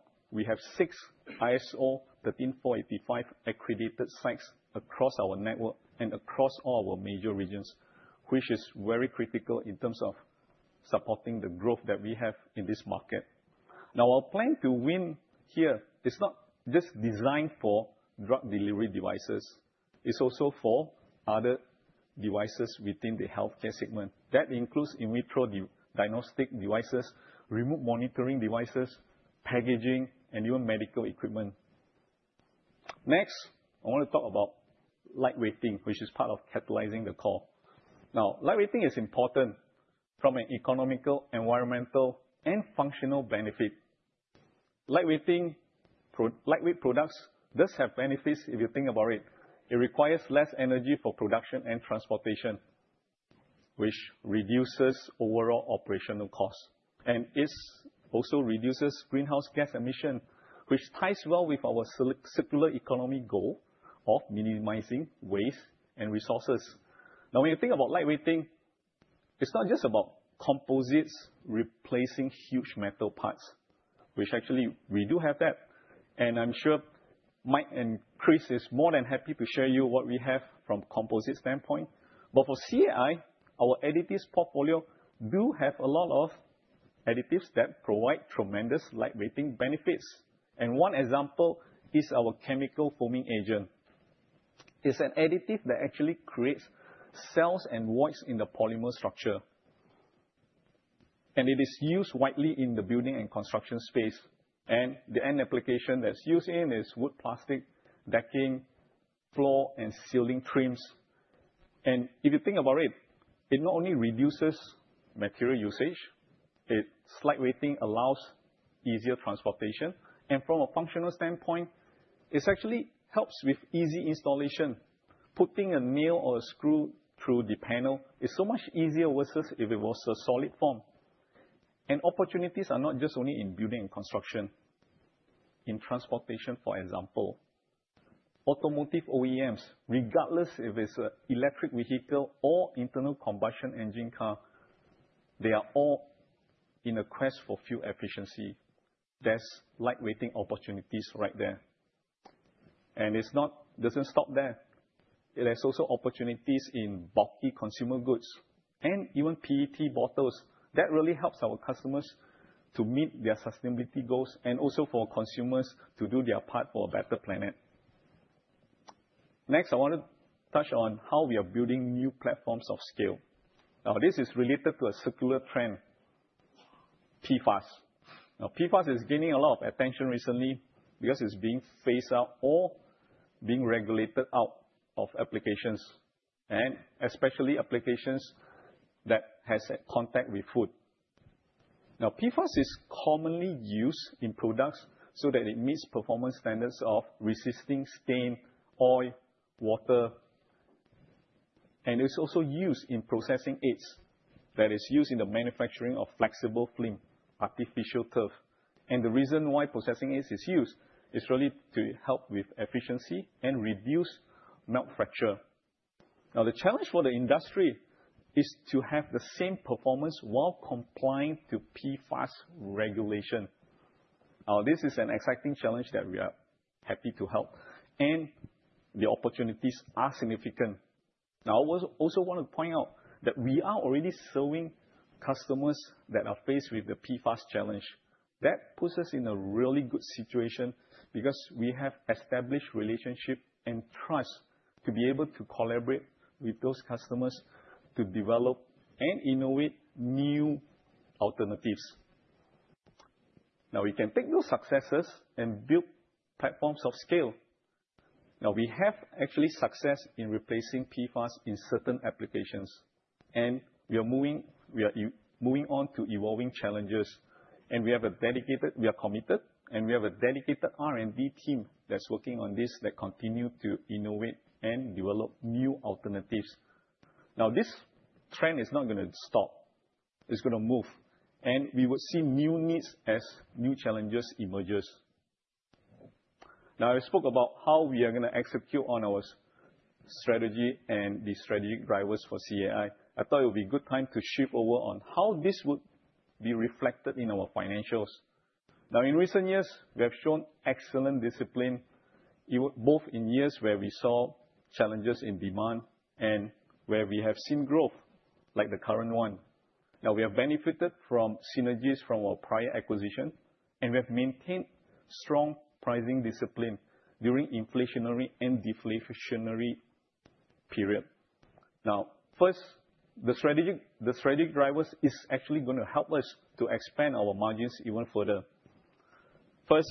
have six ISO 13485 accredited sites across our network and across all our major regions, which is very critical in terms of supporting the growth that we have in this market. Now, our plan to win here is not just designed for drug delivery devices. It's also for other devices within the healthcare segment. That includes in vitro diagnostic devices, remote monitoring devices, packaging, and even medical equipment. Next, I want to talk lightweighting, which is part of catalyzing the core. lightweighting is important from an economical, environmental, and functional benefit. Lightweight products do have benefits if you think about it. It requires less energy for production and transportation, which reduces overall operational costs. And it also reduces greenhouse gas emissions, which ties well with our circular economy goal of minimizing waste and resources. Now, when you think lightweighting, it's not just about composites replacing huge metal parts, which actually we do have that. And I'm sure Mike and Chris are more than happy to share with you what we have from a composite standpoint. But for CAI, our additives portfolio does have a lot of additives that provide lightweighting benefits. And one example is our chemical foaming agent. It's an additive that actually creates cells and voids in the polymer structure. It is used widely in the building and construction space. The end application that's used in is wood-plastic decking, floor, and ceiling trims. If you think about it, it not only reduces material usage, lightweighting allows easier transportation. From a functional standpoint, it actually helps with easy installation. Putting a nail or a screw through the panel is so much easier versus if it was a solid form. Opportunities are not just only in building and construction. In transportation, for example, automotive OEMs, regardless if it's an electric vehicle or internal combustion engine car, they are all in a quest for fuel efficiency. lightweighting opportunities right there. It doesn't stop there. There's also opportunities in bulky consumer goods and even PET bottles. That really helps our customers to meet their sustainability goals and also for consumers to do their part for a better planet. Next, I want to touch on how we are building new platforms of scale. Now, this is related to a circular trend, PFAS. Now, PFAS is gaining a lot of attention recently because it's being phased out or being regulated out of applications, and especially applications that have contact with food. Now, PFAS is commonly used in products so that it meets performance standards of resisting stain, oil, water. And it's also used in processing aids that are used in the manufacturing of flexible film, artificial turf. And the reason why processing aids are used is really to help with efficiency and reduce melt fracture. Now, the challenge for the industry is to have the same performance while complying with PFAS regulation. Now, this is an exciting challenge that we are happy to help, and the opportunities are significant. Now, I also want to point out that we are already serving customers that are faced with the PFAS challenge. That puts us in a really good situation because we have established relationships and trust to be able to collaborate with those customers to develop and innovate new alternatives. Now, we can take those successes and build platforms of scale. Now, we have actually success in replacing PFAS in certain applications, and we are moving on to evolving challenges. We are committed, and we have a dedicated R&D team that's working on this that continues to innovate and develop new alternatives. Now, this trend is not going to stop. It's going to move, and we will see new needs as new challenges emerge. Now, I spoke about how we are going to execute on our strategy and the strategic drivers for CAI. I thought it would be a good time to shift over on how this would be reflected in our financials. Now, in recent years, we have shown excellent discipline, both in years where we saw challenges in demand and where we have seen growth like the current one. Now, we have benefited from synergies from our prior acquisition, and we have maintained strong pricing discipline during inflationary and deflationary periods. Now, first, the strategic drivers are actually going to help us to expand our margins even further. First,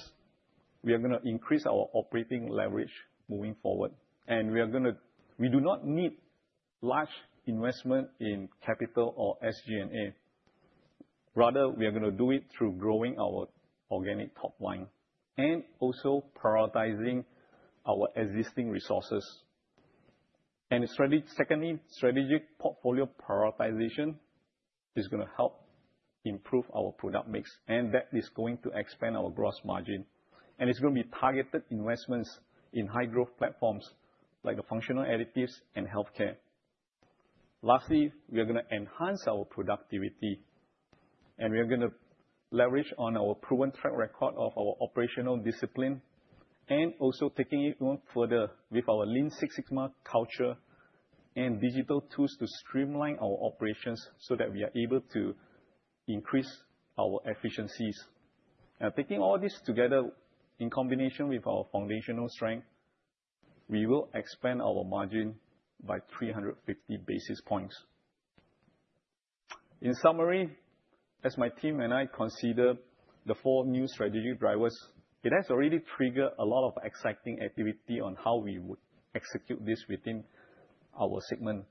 we are going to increase our operating leverage moving forward. And we are going to, we do not need large investment in capital or SG&A. Rather, we are going to do it through growing our organic top line and also prioritizing our existing resources. And secondly, strategic portfolio prioritization is going to help improve our product mix, and that is going to expand our gross margin. And it's going to be targeted investments in high-growth platforms like the functional additives and healthcare. Lastly, we are going to enhance our productivity. And we are going to leverage on our proven track record of our operational discipline and also taking it even further with our Lean Six Sigma culture and digital tools to streamline our operations so that we are able to increase our efficiencies. Now, taking all this together in combination with our foundational strength, we will expand our margin by 350 basis points. In summary, as my team and I consider the four new strategic drivers, it has already triggered a lot of exciting activity on how we would execute this within our segment.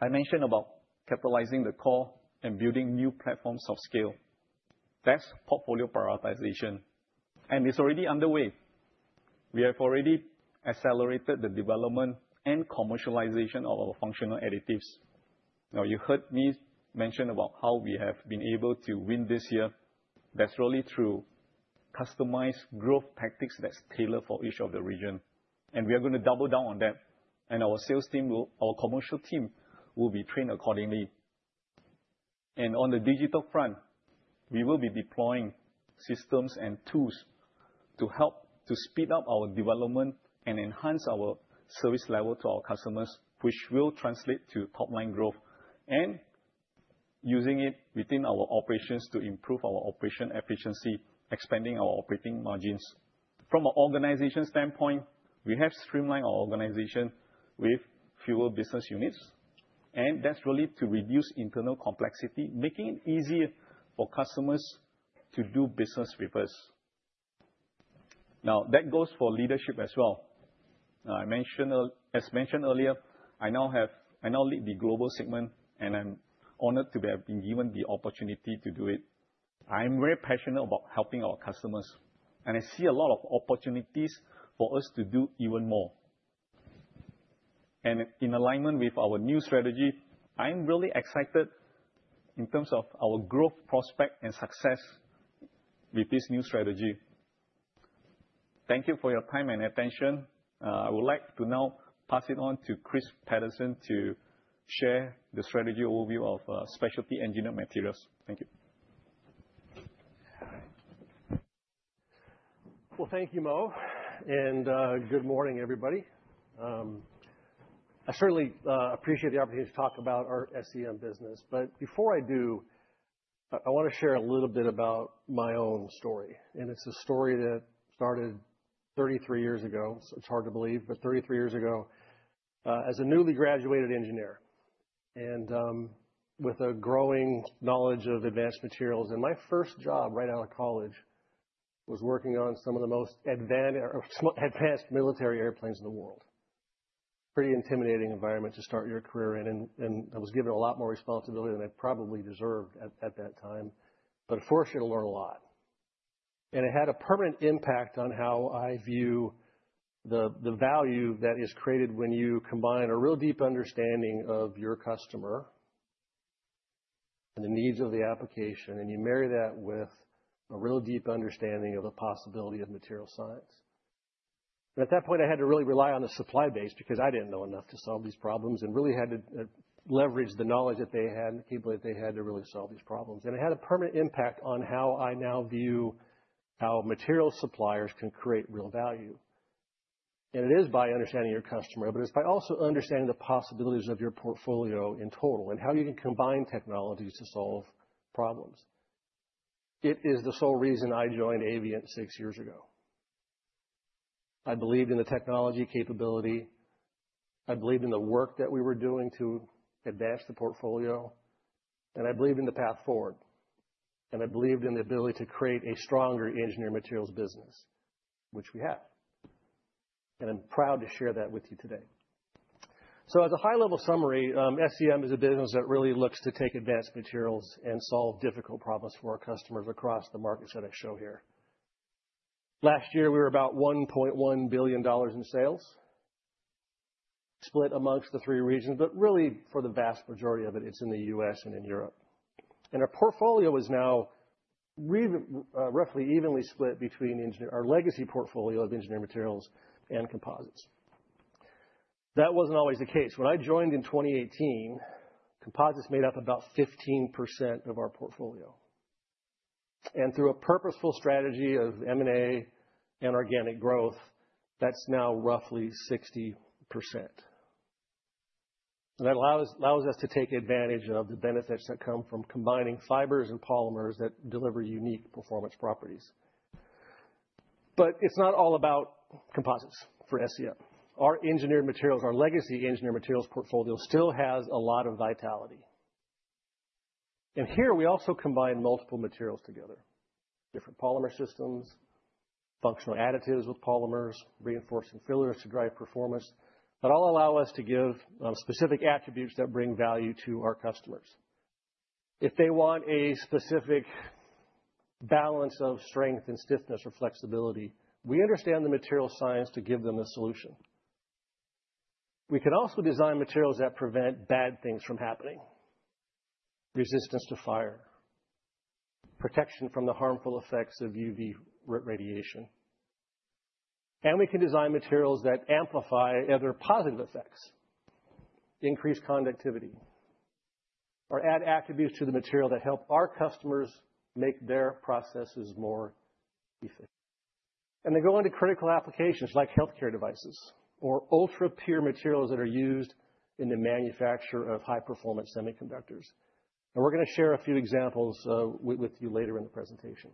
I mentioned about catalyzing the core and building new platforms of scale. That's portfolio prioritization, and it's already underway. We have already accelerated the development and commercialization of our functional additives. Now, you heard me mention about how we have been able to win this year. That's really through customized growth tactics that are tailored for each of the regions, and we are going to double down on that, and our sales team, our commercial team, will be trained accordingly. On the digital front, we will be deploying systems and tools to help to speed up our development and enhance our service level to our customers, which will translate to top-line growth and using it within our operations to improve our operation efficiency, expanding our operating margins. From an organization standpoint, we have streamlined our organization with fewer business units. That's really to reduce internal complexity, making it easier for customers to do business with us. Now, that goes for leadership as well. As mentioned earlier, I now lead the global segment, and I'm honored to have been given the opportunity to do it. I'm very passionate about helping our customers, and I see a lot of opportunities for us to do even more. In alignment with our new strategy, I'm really excited in terms of our growth prospect and success with this new strategy. Thank you for your time and attention. I would like to now pass it on to Chris Pederson to share the strategy overview of Specialty Engineered Materials. Thank you. Well, thank you, Moh. And good morning, everybody. I certainly appreciate the opportunity to talk about our SEM business. But before I do, I want to share a little bit about my own story. And it's a story that started 33 years ago. It's hard to believe, but 33 years ago, as a newly graduated engineer and with a growing knowledge of advanced materials. And my first job right out of college was working on some of the most advanced military airplanes in the world. Pretty intimidating environment to start your career in. And I was given a lot more responsibility than I probably deserved at that time. But of course, you had to learn a lot. It had a permanent impact on how I view the value that is created when you combine a real deep understanding of your customer and the needs of the application, and you marry that with a real deep understanding of the possibility of material science. At that point, I had to really rely on the supply base because I didn't know enough to solve these problems and really had to leverage the knowledge that they had and the capability that they had to really solve these problems. It had a permanent impact on how I now view how material suppliers can create real value. It is by understanding your customer, but it's by also understanding the possibilities of your portfolio in total and how you can combine technologies to solve problems. It is the sole reason I joined Avient six years ago. I believed in the technology capability. I believed in the work that we were doing to advance the portfolio. And I believed in the path forward. And I believed in the ability to create a stronger engineered materials business, which we have. And I'm proud to share that with you today. So as a high-level summary, SEM is a business that really looks to take advanced materials and solve difficult problems for our customers across the markets that I show here. Last year, we were about $1.1 billion in sales, split among the three regions, but really for the vast majority of it, it's in the U.S. and in Europe. And our portfolio is now roughly evenly split between our legacy portfolio of engineered materials and composites. That wasn't always the case. When I joined in 2018, composites made up about 15% of our portfolio. Through a purposeful strategy of M&A and organic growth, that's now roughly 60%. That allows us to take advantage of the benefits that come from combining fibers and polymers that deliver unique performance properties. But it's not all about composites for SEM. Our engineered materials, our legacy engineered materials portfolio, still has a lot of vitality. And here, we also combine multiple materials together, different polymer systems, functional additives with polymers, reinforcing fillers to drive performance that all allow us to give specific attributes that bring value to our customers. If they want a specific balance of strength and stiffness or flexibility, we understand the material science to give them a solution. We can also design materials that prevent bad things from happening, resistance to fire, protection from the harmful effects of UV radiation. And we can design materials that amplify other positive effects, increase conductivity, or add attributes to the material that help our customers make their processes more efficient. And they go into critical applications like healthcare devices or ultra-pure materials that are used in the manufacture of high-performance semiconductors. And we're going to share a few examples with you later in the presentation.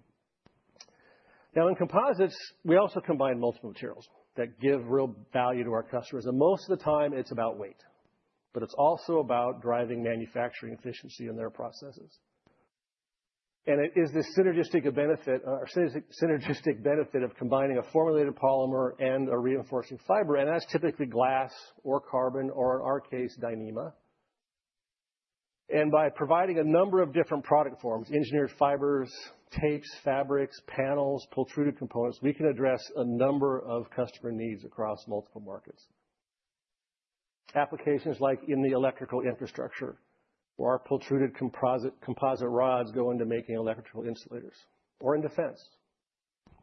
Now, in composites, we also combine multiple materials that give real value to our customers. And most of the time, it's about weight, but it's also about driving manufacturing efficiency in their processes. And it is this synergistic benefit of combining a formulated polymer and a reinforcing fiber, and that's typically glass or carbon or, in our case, Dyneema. And by providing a number of different product forms, engineered fibers, tapes, fabrics, panels, extruded components, we can address a number of customer needs across multiple markets. Applications like in the electrical infrastructure where our pultruded composite rods go into making electrical insulators or in defense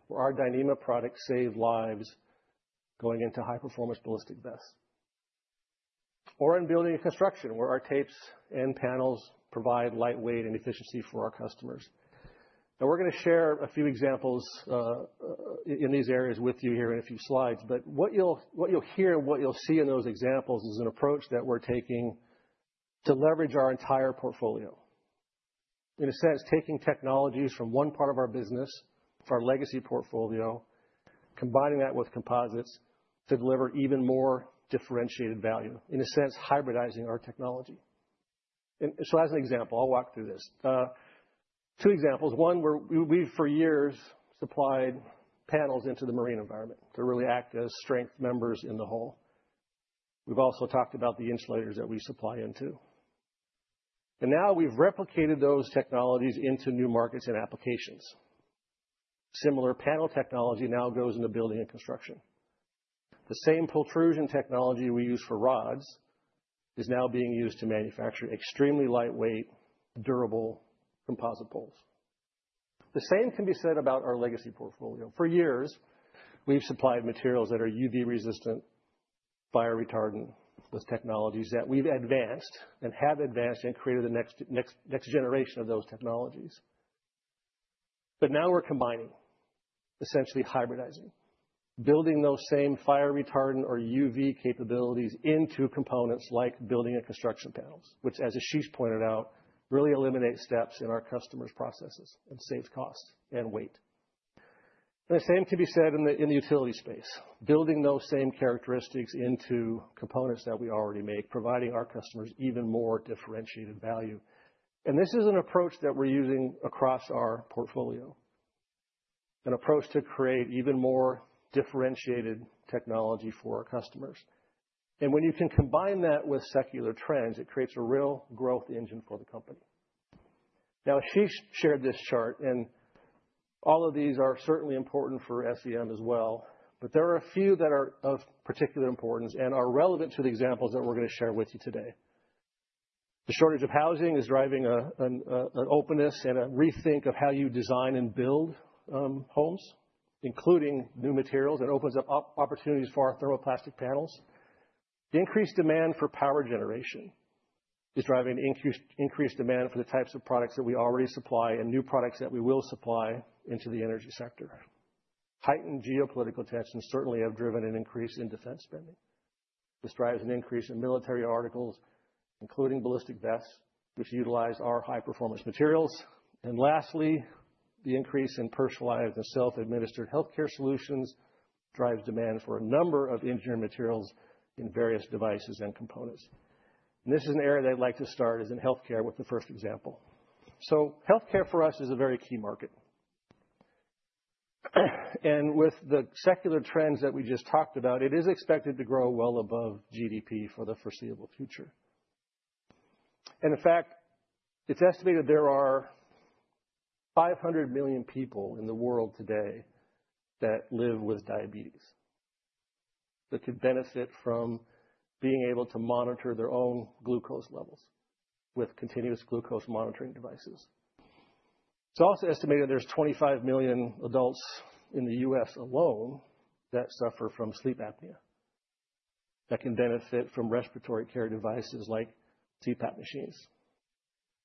where our Dyneema products save lives going into high-performance ballistic vests or in building construction where our tapes and panels provide lightweight and efficiency for our customers. Now, we're going to share a few examples in these areas with you here in a few slides, but what you'll hear and what you'll see in those examples is an approach that we're taking to leverage our entire portfolio. In a sense, taking technologies from one part of our business for our legacy portfolio, combining that with composites to deliver even more differentiated value, in a sense, hybridizing our technology, and so as an example, I'll walk through this. Two examples. One where we've for years supplied panels into the marine environment to really act as strength members in the hull. We've also talked about the insulators that we supply into, and now we've replicated those technologies into new markets and applications. Similar panel technology now goes into building and construction. The same pultrusion technology we use for rods is now being used to manufacture extremely lightweight, durable composite poles. The same can be said about our legacy portfolio. For years, we've supplied materials that are UV-resistant, fire-retardant, those technologies that we've advanced and have advanced and created the next generation of those technologies, but now we're combining, essentially hybridizing, building those same fire-retardant or UV capabilities into components like building and construction panels, which, as Ashish pointed out, really eliminates steps in our customers' processes and saves cost and weight, and the same can be said in the utility space, building those same characteristics into components that we already make, providing our customers even more differentiated value. This is an approach that we're using across our portfolio, an approach to create even more differentiated technology for our customers. When you can combine that with secular trends, it creates a real growth engine for the company. Now, Ashish shared this chart, and all of these are certainly important for SEM as well, but there are a few that are of particular importance and are relevant to the examples that we're going to share with you today. The shortage of housing is driving an openness and a rethink of how you design and build homes, including new materials, and opens up opportunities for our thermoplastic panels. Increased demand for power generation is driving increased demand for the types of products that we already supply and new products that we will supply into the energy sector. Heightened geopolitical tensions certainly have driven an increase in defense spending. This drives an increase in military articles, including ballistic vests, which utilize our high-performance materials. And lastly, the increase in personalized and self-administered healthcare solutions drives demand for a number of engineered materials in various devices and components. And this is an area that I'd like to start, as in healthcare, with the first example. So healthcare for us is a very key market. And with the secular trends that we just talked about, it is expected to grow well above GDP for the foreseeable future. And in fact, it's estimated there are 500 million people in the world today that live with diabetes that could benefit from being able to monitor their own glucose levels with continuous glucose monitoring devices. It's also estimated there's 25 million adults in the U.S. alone that suffer from sleep apnea that can benefit from respiratory care devices like CPAP machines.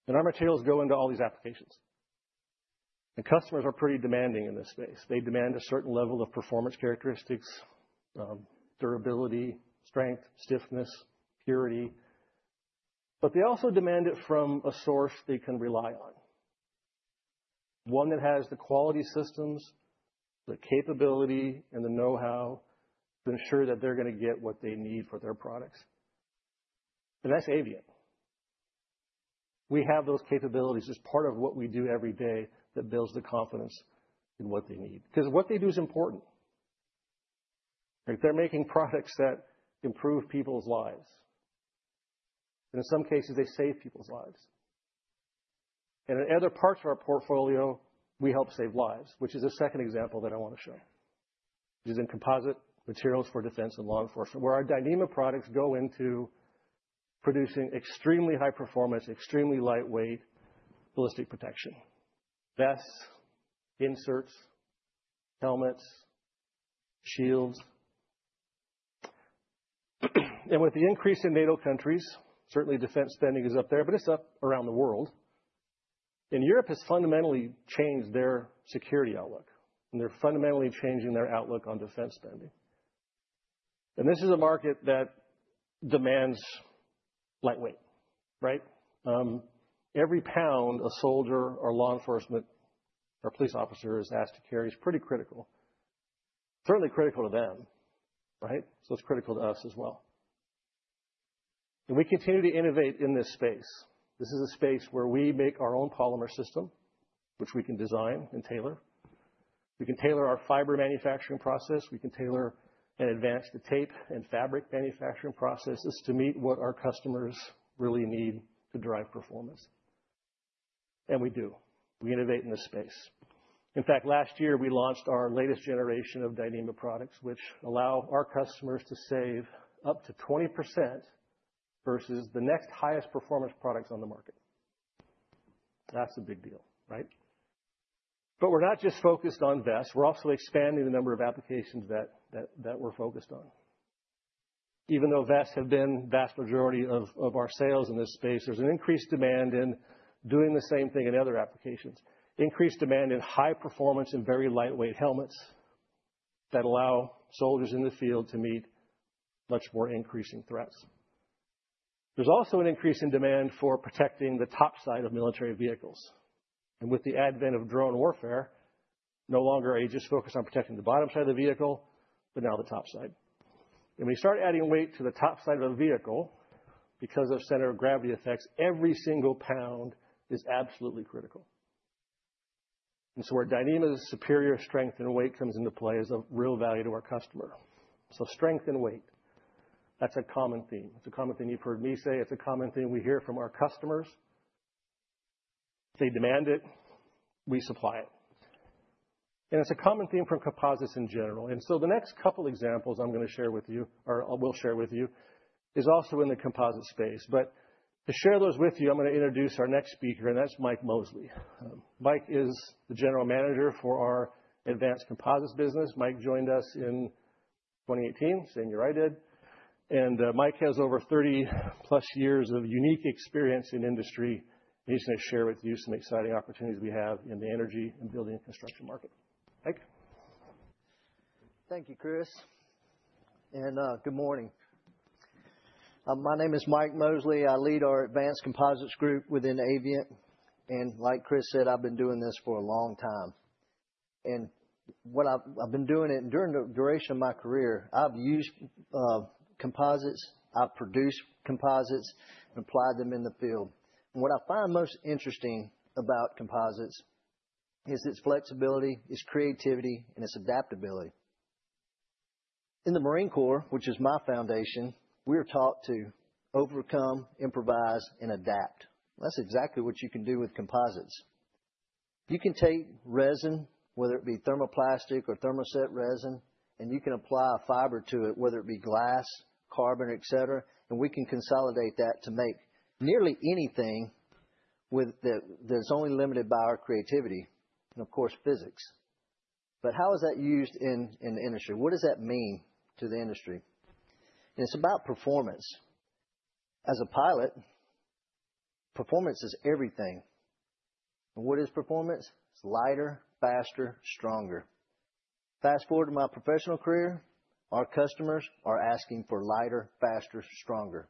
And our materials go into all these applications. And customers are pretty demanding in this space. They demand a certain level of performance characteristics, durability, strength, stiffness, purity. But they also demand it from a source they can rely on, one that has the quality systems, the capability, and the know-how to ensure that they're going to get what they need for their products. And that's Avient. We have those capabilities. It's part of what we do every day that builds the confidence in what they need because what they do is important. They're making products that improve people's lives. And in some cases, they save people's lives. In other parts of our portfolio, we help save lives, which is a second example that I want to show, which is in composite materials for defense and law enforcement, where our Dyneema products go into producing extremely high-performance, extremely lightweight ballistic protection, vests, inserts, helmets, shields, and with the increase in NATO countries, certainly defense spending is up there, but it's up around the world, and Europe has fundamentally changed their security outlook, and they're fundamentally changing their outlook on defense spending, and this is a market that demands lightweight, right? Every pound a soldier or law enforcement or police officer is asked to carry is pretty critical, certainly critical to them, right, so it's critical to us as well, and we continue to innovate in this space. This is a space where we make our own polymer system, which we can design and tailor. We can tailor our fiber manufacturing process. We can tailor and advance the tape and fabric manufacturing processes to meet what our customers really need to drive performance, and we do. We innovate in this space. In fact, last year, we launched our latest generation of Dyneema products, which allow our customers to save up to 20% versus the next highest performance products on the market. That's a big deal, right, but we're not just focused on vests. We're also expanding the number of applications that we're focused on. Even though vests have been the vast majority of our sales in this space, there's an increased demand in doing the same thing in other applications, increased demand in high-performance and very lightweight helmets that allow soldiers in the field to meet much more increasing threats. There's also an increase in demand for protecting the top side of military vehicles. With the advent of drone warfare, no longer are you just focused on protecting the bottom side of the vehicle, but now the top side. And when you start adding weight to the top side of a vehicle because of center of gravity effects, every single pound is absolutely critical. And so where Dyneema's superior strength and weight comes into play is of real value to our customer. So strength and weight, that's a common theme. It's a common theme you've heard me say. It's a common theme we hear from our customers. They demand it. We supply it. And it's a common theme for composites in general. And so the next couple of examples I'm going to share with you or will share with you is also in the composite space. But to share those with you, I'm going to introduce our next speaker, and that's Mike Mosley. Mike is the General Manager for our Advanced Composites business. Mike joined us in 2018, same year I did. And Mike has over 30+ years of unique experience in industry. He's going to share with you some exciting opportunities we have in the energy and building and construction market. Mike. Thank you, Chris, and good morning. My name is Mike Mosley. I lead our Advanced Composites group within Avient. And like Chris said, I've been doing this for a long time. And what I've been doing during the duration of my career, I've used composites. I've produced composites and applied them in the field. And what I find most interesting about composites is its flexibility, its creativity, and its adaptability. In the Marine Corps, which is my foundation, we are taught to overcome, improvise, and adapt. That's exactly what you can do with composites. You can take resin, whether it be thermoplastic or thermoset resin, and you can apply fiber to it, whether it be glass, carbon, et cetera. And we can consolidate that to make nearly anything that is only limited by our creativity and, of course, physics. But how is that used in the industry? What does that mean to the industry? And it's about performance. As a pilot, performance is everything. And what is performance? It's lighter, faster, stronger. Fast forward to my professional career, our customers are asking for lighter, faster, stronger.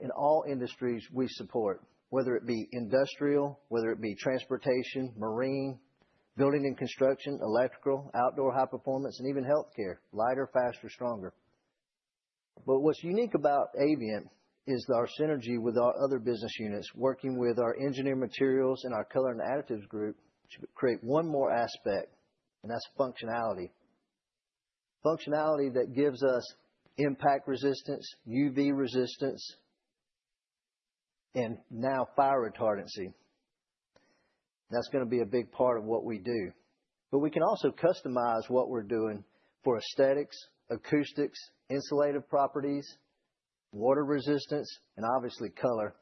In all industries we support, whether it be industrial, whether it be transportation, marine, building and construction, electrical, outdoor high performance, and even healthcare, lighter, faster, stronger. But what's unique about Avient is our synergy with our other business units, working with our engineered materials and our color and additives group to create one more aspect, and that's functionality. Functionality that gives us impact resistance, UV resistance, and now fire retardancy. That's going to be a big part of what we do. But we can also customize what we're doing for aesthetics, acoustics, insulative properties, water resistance, and obviously color.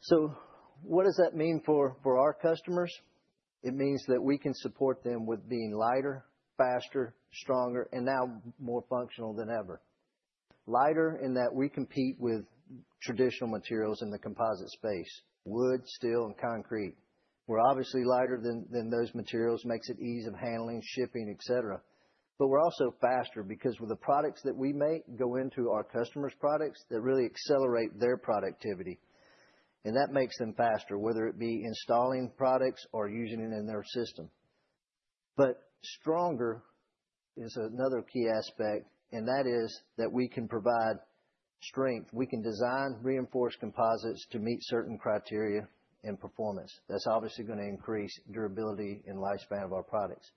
So what does that mean for our customers? It means that we can support them with being lighter, faster, stronger, and now more functional than ever. Lighter in that we compete with traditional materials in the composite space, wood, steel, and concrete. We're obviously lighter than those materials. It makes it easy of handling, shipping, et cetera. But we're also faster because with the products that we make go into our customers' products that really accelerate their productivity. And that makes them faster, whether it be installing products or using it in their system. But stronger is another key aspect, and that is that we can provide strength. We can design reinforced composites to meet certain criteria and performance. That's obviously going to increase durability and lifespan of our products.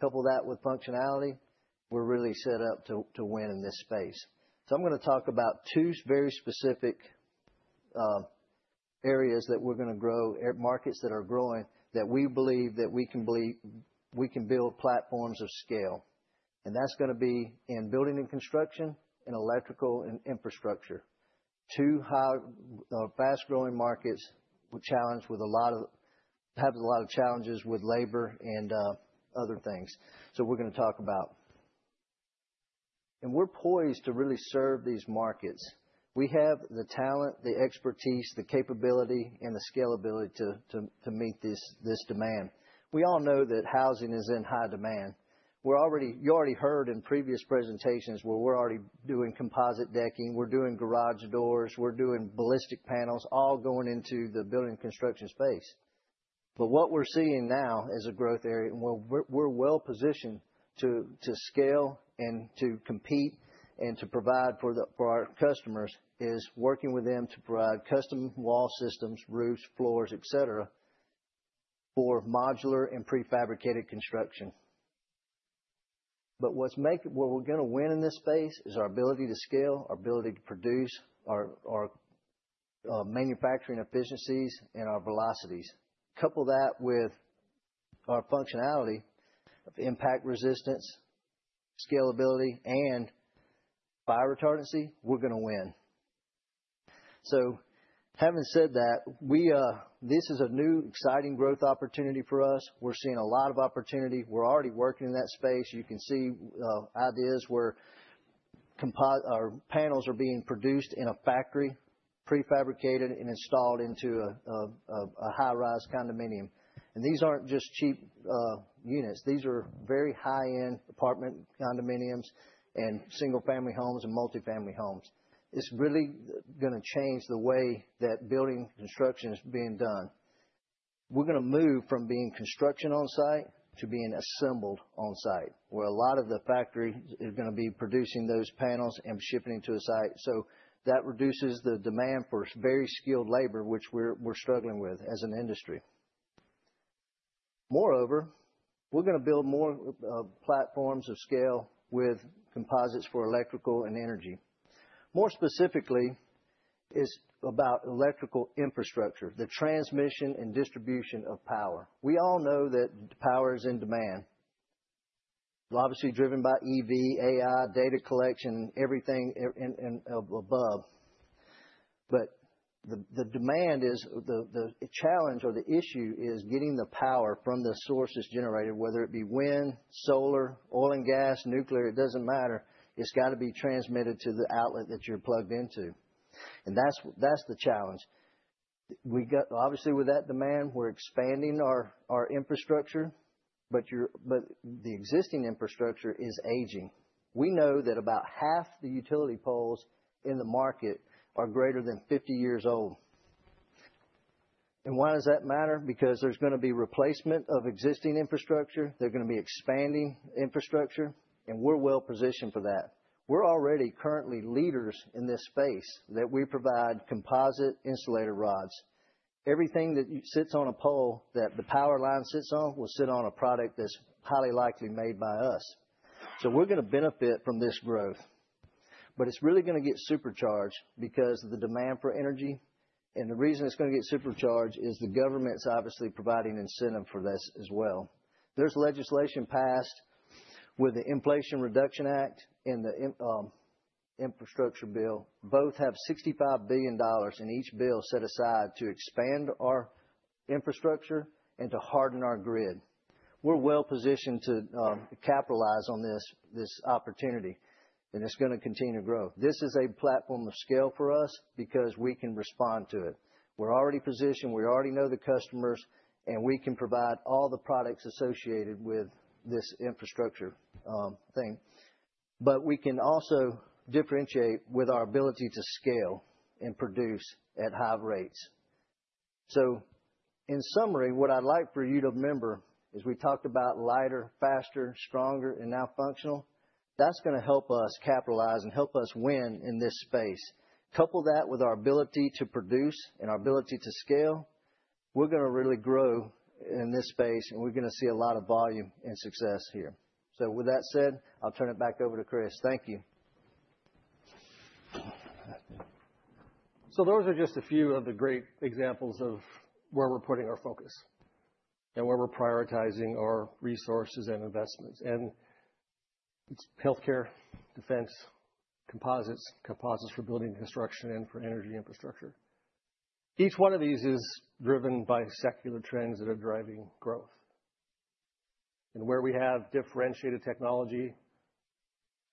Couple that with functionality. We're really set up to win in this space. So I'm going to talk about two very specific areas that we're going to grow, markets that are growing that we believe that we can build platforms of scale. And that's going to be in building and construction and electrical and infrastructure. Two fast-growing markets with a lot of challenges with labor and other things. So we're going to talk about. And we're poised to really serve these markets. We have the talent, the expertise, the capability, and the scalability to meet this demand. We all know that housing is in high demand. You already heard in previous presentations where we're already doing composite decking. We're doing garage doors. We're doing ballistic panels, all going into the building and construction space. But what we're seeing now as a growth area, and we're well-positioned to scale and to compete and to provide for our customers, is working with them to provide custom wall systems, roofs, floors, et cetera, for modular and prefabricated construction. But what we're going to win in this space is our ability to scale, our ability to produce, our manufacturing efficiencies, and our velocities. Couple that with our functionality of impact resistance, scalability, and fire retardancy, we're going to win. So having said that, this is a new, exciting growth opportunity for us. We're seeing a lot of opportunity. We're already working in that space. You can see ideas where panels are being produced in a factory, prefabricated, and installed into a high-rise condominium. And these aren't just cheap units. These are very high-end apartment condominiums and single-family homes and multifamily homes. It's really going to change the way that building construction is being done. We're going to move from being construction on-site to being assembled on-site, where a lot of the factory is going to be producing those panels and shipping into a site. So that reduces the demand for very skilled labor, which we're struggling with as an industry. Moreover, we're going to build more platforms of scale with composites for electrical and energy. More specifically, it's about electrical infrastructure, the transmission and distribution of power. We all know that power is in demand, obviously driven by EV, AI, data collection, and everything above. But the demand is the challenge or the issue is getting the power from the sources generated, whether it be wind, solar, oil and gas, nuclear, it doesn't matter. It's got to be transmitted to the outlet that you're plugged into, and that's the challenge. Obviously, with that demand, we're expanding our infrastructure, but the existing infrastructure is aging. We know that about half the utility poles in the market are greater than 50 years old, and why does that matter? Because there's going to be replacement of existing infrastructure. They're going to be expanding infrastructure, and we're well-positioned for that. We're already currently leaders in this space that we provide composite insulator rods. Everything that sits on a pole that the power line sits on will sit on a product that's highly likely made by us, so we're going to benefit from this growth, but it's really going to get supercharged because of the demand for energy, and the reason it's going to get supercharged is the government's obviously providing incentive for this as well. There's legislation passed with the Inflation Reduction Act and the Infrastructure Bill. Both have $65 billion in each bill set aside to expand our infrastructure and to harden our grid. We're well-positioned to capitalize on this opportunity, and it's going to continue to grow. This is a platform of scale for us because we can respond to it. We're already positioned. We already know the customers, and we can provide all the products associated with this infrastructure thing. But we can also differentiate with our ability to scale and produce at high rates. So in summary, what I'd like for you to remember is we talked about lighter, faster, stronger, and now functional. That's going to help us capitalize and help us win in this space. Couple that with our ability to produce and our ability to scale. We're going to really grow in this space, and we're going to see a lot of volume and success here. So with that said, I'll turn it back over to Chris. Thank you. So those are just a few of the great examples of where we're putting our focus and where we're prioritizing our resources and investments. And it's healthcare, defense, composites, composites for building and construction, and for energy infrastructure. Each one of these is driven by secular trends that are driving growth. And where we have differentiated technology,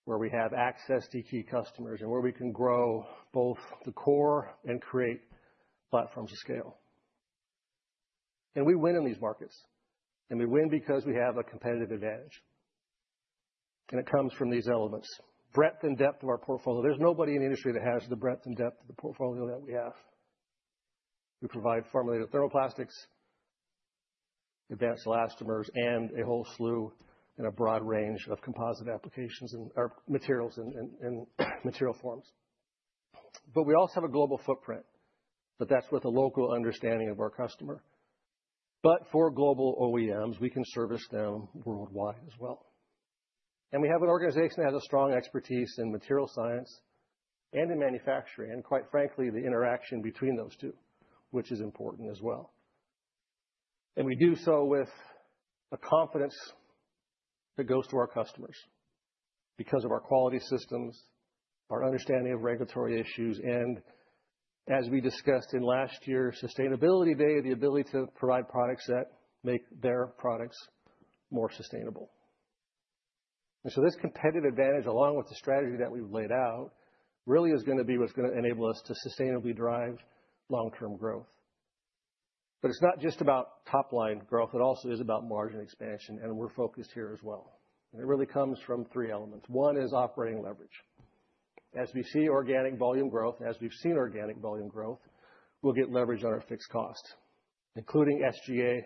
where we have access to key customers, and where we can grow both the core and create platforms of scale. And we win in these markets. And we win because we have a competitive advantage. And it comes from these elements. Breadth and depth of our portfolio. There's nobody in the industry that has the breadth and depth of the portfolio that we have. We provide formulated thermoplastics, advanced elastomers, and a whole slew in a broad range of composite applications and materials and material forms, but we also have a global footprint, but that's with a local understanding of our customer, but for global OEMs, we can service them worldwide as well, and we have an organization that has a strong expertise in material science and in manufacturing, and quite frankly, the interaction between those two, which is important as well, and we do so with a confidence that goes to our customers because of our quality systems, our understanding of regulatory issues, and, as we discussed in last year's Sustainability Day, the ability to provide products that make their products more sustainable. And so this competitive advantage, along with the strategy that we've laid out, really is going to be what's going to enable us to sustainably drive long-term growth. But it's not just about top-line growth. It also is about margin expansion, and we're focused here as well. And it really comes from three elements. One is operating leverage. As we see organic volume growth, as we've seen organic volume growth, we'll get leverage on our fixed costs, including SG&A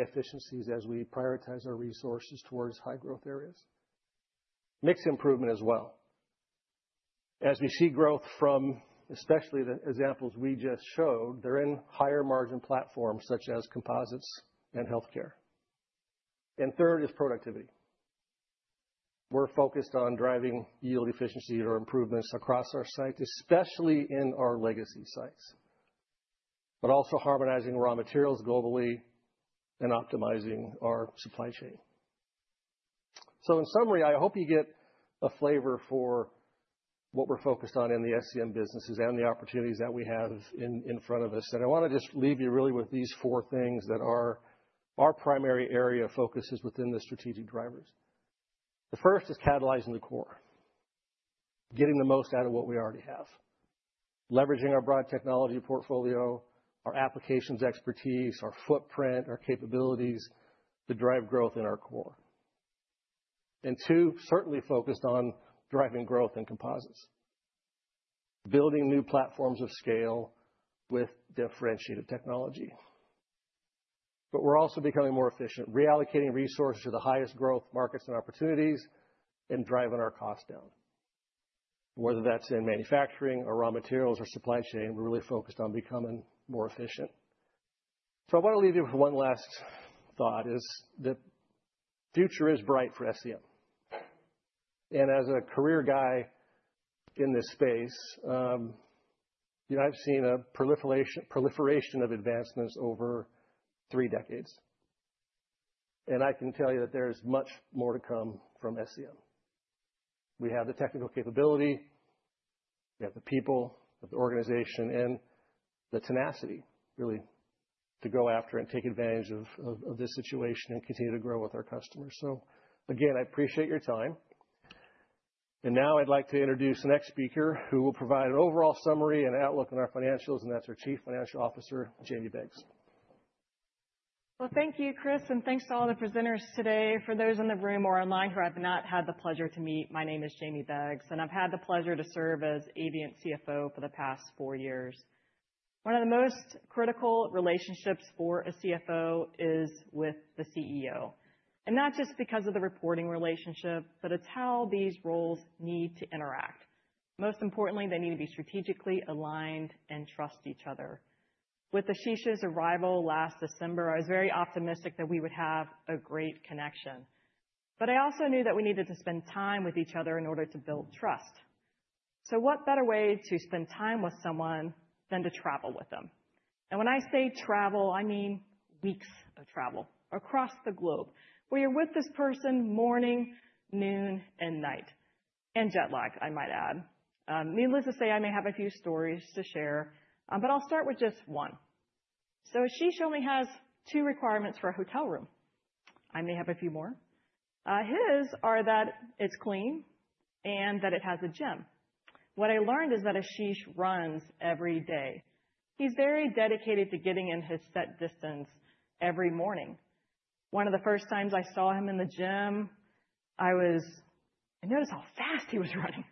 efficiencies as we prioritize our resources towards high-growth areas. Mixed improvement as well. As we see growth from especially the examples we just showed, they're in higher-margin platforms such as composites and healthcare. And third is productivity. We're focused on driving yield efficiency or improvements across our site, especially in our legacy sites, but also harmonizing raw materials globally and optimizing our supply chain. So in summary, I hope you get a flavor for what we're focused on in the SEM businesses and the opportunities that we have in front of us. And I want to just leave you really with these four things that are our primary area of focus within the strategic drivers. The first is catalyzing the core, getting the most out of what we already have, leveraging our broad technology portfolio, our applications expertise, our footprint, our capabilities to drive growth in our core. And two, certainly focused on driving growth in composites, building new platforms of scale with differentiated technology. But we're also becoming more efficient, reallocating resources to the highest growth markets and opportunities and driving our cost down. Whether that's in manufacturing or raw materials or supply chain, we're really focused on becoming more efficient. So I want to leave you with one last thought: the future is bright for SEM. And as a career guy in this space, I've seen a proliferation of advancements over three decades. And I can tell you that there is much more to come from SEM. We have the technical capability. We have the people of the organization and the tenacity, really, to go after and take advantage of this situation and continue to grow with our customers. So again, I appreciate your time. And now I'd like to introduce the next speaker who will provide an overall summary and outlook on our financials, and that's our Chief Financial Officer, Jamie Beggs. Well, thank you, Chris, and thanks to all the presenters today. For those in the room or online who have not had the pleasure to meet, my name is Jamie Beggs, and I've had the pleasure to serve as Avient CFO for the past four years. One of the most critical relationships for a CFO is with the CEO, and not just because of the reporting relationship, but it's how these roles need to interact. Most importantly, they need to be strategically aligned and trust each other. With Ashish's arrival last December, I was very optimistic that we would have a great connection, but I also knew that we needed to spend time with each other in order to build trust, so what better way to spend time with someone than to travel with them, and when I say travel, I mean weeks of travel across the globe. We are with this person morning, noon, and night, and jet lag, I might add. Needless to say, I may have a few stories to share, but I'll start with just one. So Ashish only has two requirements for a hotel room. I may have a few more. His are that it's clean and that it has a gym. What I learned is that Ashish runs every day. He's very dedicated to getting in his set distance every morning. One of the first times I saw him in the gym, I noticed how fast he was running,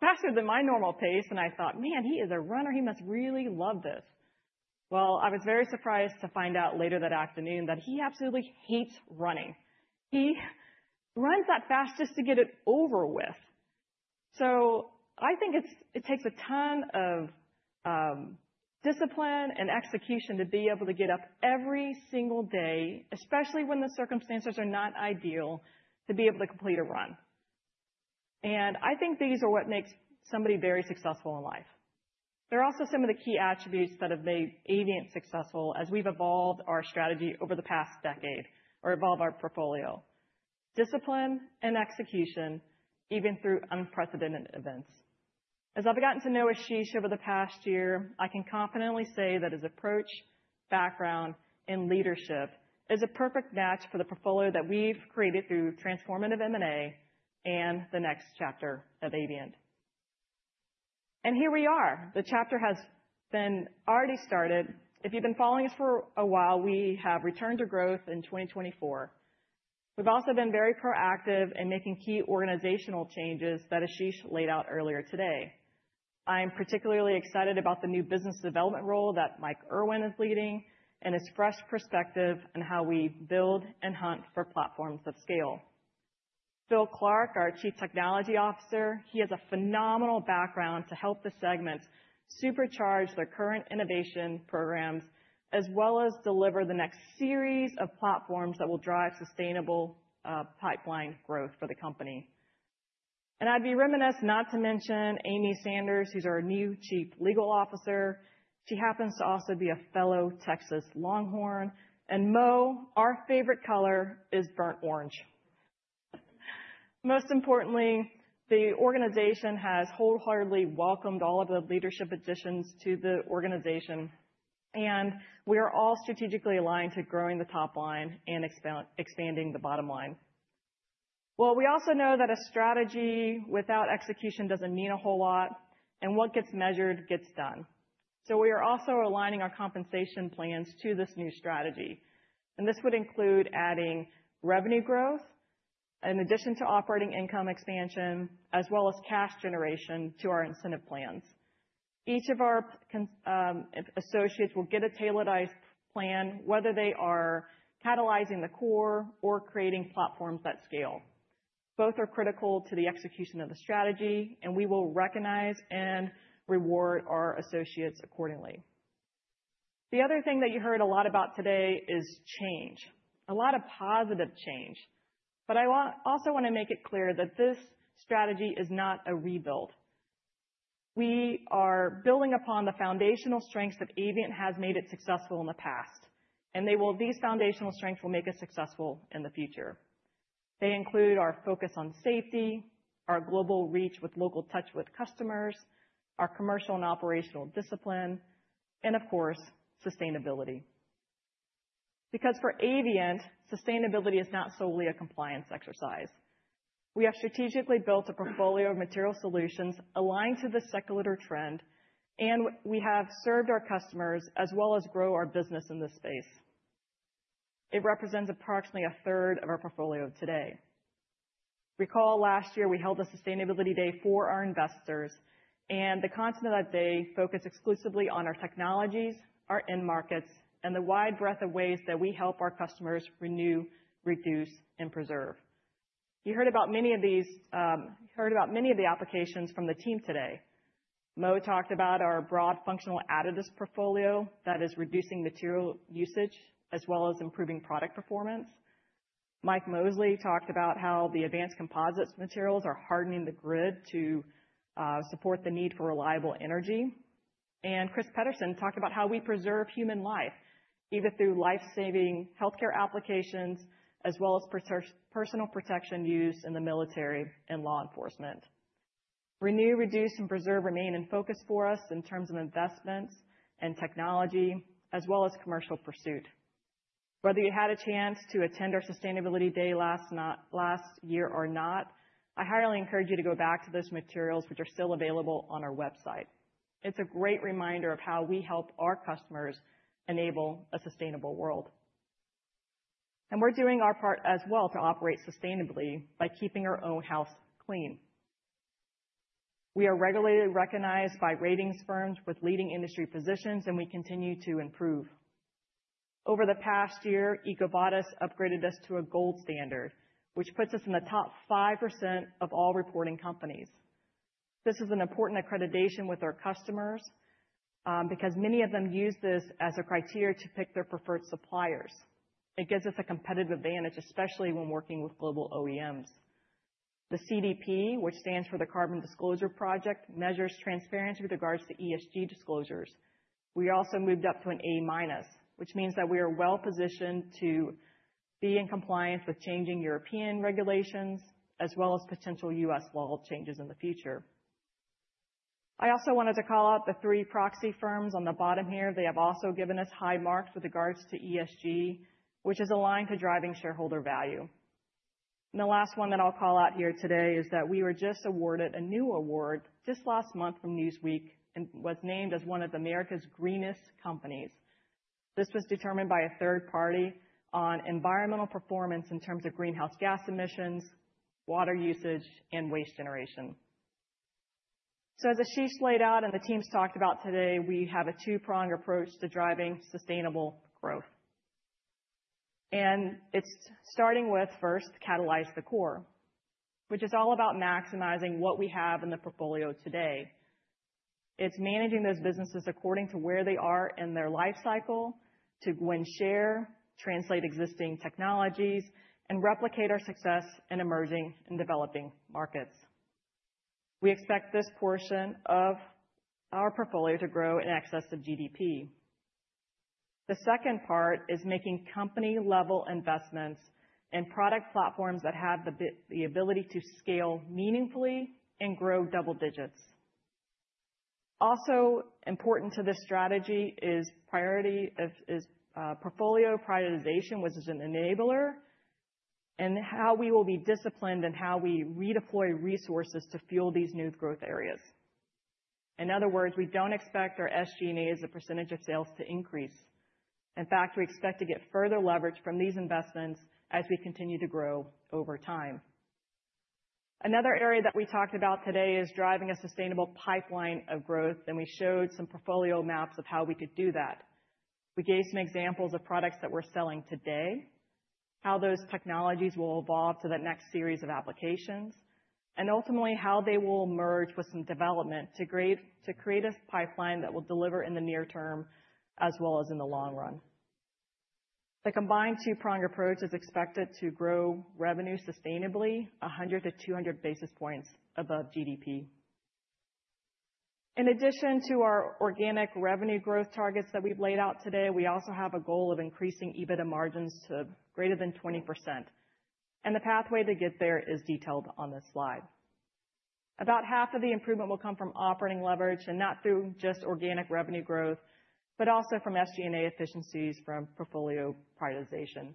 faster than my normal pace, and I thought, "Man, he is a runner. He must really love this." Well, I was very surprised to find out later that afternoon that he absolutely hates running. He runs that fast just to get it over with. I think it takes a ton of discipline and execution to be able to get up every single day, especially when the circumstances are not ideal, to be able to complete a run. And I think these are what makes somebody very successful in life. There are also some of the key attributes that have made Avient successful as we've evolved our strategy over the past decade or evolved our portfolio: discipline and execution, even through unprecedented events. As I've gotten to know Ashish over the past year, I can confidently say that his approach, background, and leadership is a perfect match for the portfolio that we've created through transformative M&A and the next chapter of Avient. And here we are. The chapter has been already started. If you've been following us for a while, we have returned to growth in 2024. We've also been very proactive in making key organizational changes that Ashish laid out earlier today. I'm particularly excited about the new business development role that Mike Irwin is leading and his fresh perspective on how we build and hunt for platforms of scale. Phil Clark, our Chief Technology Officer, he has a phenomenal background to help the segment supercharge their current innovation programs as well as deliver the next series of platforms that will drive sustainable pipeline growth for the company. I'd be remiss not to mention Amy Sanders, who's our new Chief Legal Officer. She happens to also be a fellow Texas Longhorn. Moh, our favorite color is burnt orange. Most importantly, the organization has wholeheartedly welcomed all of the leadership additions to the organization, and we are all strategically aligned to growing the top line and expanding the bottom line. Well, we also know that a strategy without execution doesn't mean a whole lot, and what gets measured gets done. So we are also aligning our compensation plans to this new strategy. And this would include adding revenue growth in addition to operating income expansion, as well as cash generation to our incentive plans. Each of our associates will get a tailored plan, whether they are catalyzing the core or creating platforms that scale. Both are critical to the execution of the strategy, and we will recognize and reward our associates accordingly. The other thing that you heard a lot about today is change, a lot of positive change. But I also want to make it clear that this strategy is not a rebuild. We are building upon the foundational strengths that Avient has made it successful in the past, and these foundational strengths will make us successful in the future. They include our focus on safety, our global reach with local touch with customers, our commercial and operational discipline, and, of course, sustainability. Because for Avient, sustainability is not solely a compliance exercise. We have strategically built a portfolio of material solutions aligned to the circular trend, and we have served our customers as well as grown our business in this space. It represents approximately a third of our portfolio today. Recall last year we held a Sustainability Day for our investors, and the content of that day focused exclusively on our technologies, our end markets, and the wide breadth of ways that we help our customers renew, reduce, and preserve. You heard about many of these. You heard about many of the applications from the team today. Moh talked about our broad functional additives portfolio that is reducing material usage as well as improving product performance. Mike Mosley talked about how the Advanced Composites materials are hardening the grid to support the need for reliable energy. Chris Pederson talked about how we preserve human life, either through life-saving healthcare applications as well as personal protection use in the military and law enforcement. Renew, reduce, and preserve remain in focus for us in terms of investments and technology as well as commercial pursuit. Whether you had a chance to attend our Sustainability Day last year or not, I highly encourage you to go back to those materials, which are still available on our website. It's a great reminder of how we help our customers enable a sustainable world. And we're doing our part as well to operate sustainably by keeping our own house clean. We are regularly recognized by ratings firms with leading industry positions, and we continue to improve. Over the past year, EcoVadis upgraded us to a gold standard, which puts us in the top 5% of all reporting companies. This is an important accreditation with our customers because many of them use this as a criteria to pick their preferred suppliers. It gives us a competitive advantage, especially when working with global OEMs. The CDP, which stands for the Carbon Disclosure Project, measures transparency with regards to ESG disclosures. We also moved up to an A-, which means that we are well-positioned to be in compliance with changing European regulations as well as potential U.S. law changes in the future. I also wanted to call out the three proxy firms on the bottom here. They have also given us high marks with regards to ESG, which is aligned to driving shareholder value, and the last one that I'll call out here today is that we were just awarded a new award just last month from Newsweek and was named as one of America's Greenest Companies. This was determined by a third party on environmental performance in terms of greenhouse gas emissions, water usage, and waste generation, so as Ashish laid out and the teams talked about today, we have a two-pronged approach to driving sustainable growth, and it's starting with, first, catalyze the core, which is all about maximizing what we have in the portfolio today. It's managing those businesses according to where they are in their life cycle to win share, translate existing technologies, and replicate our success in emerging and developing markets. We expect this portion of our portfolio to grow in excess of GDP. The second part is making company-level investments in product platforms that have the ability to scale meaningfully and grow double digits. Also important to this strategy is portfolio prioritization, which is an enabler, and how we will be disciplined in how we redeploy resources to fuel these new growth areas. In other words, we don't expect our SG&A as a percentage of sales to increase. In fact, we expect to get further leverage from these investments as we continue to grow over time. Another area that we talked about today is driving a sustainable pipeline of growth, and we showed some portfolio maps of how we could do that. We gave some examples of products that we're selling today, how those technologies will evolve to the next series of applications, and ultimately how they will merge with some development to create a pipeline that will deliver in the near term as well as in the long run. The combined two-prong approach is expected to grow revenue sustainably 100-200 basis points above GDP. In addition to our organic revenue growth targets that we've laid out today, we also have a goal of increasing EBITDA margins to greater than 20%, and the pathway to get there is detailed on this slide. About half of the improvement will come from operating leverage and not through just organic revenue growth, but also from SG&A efficiencies from portfolio prioritization.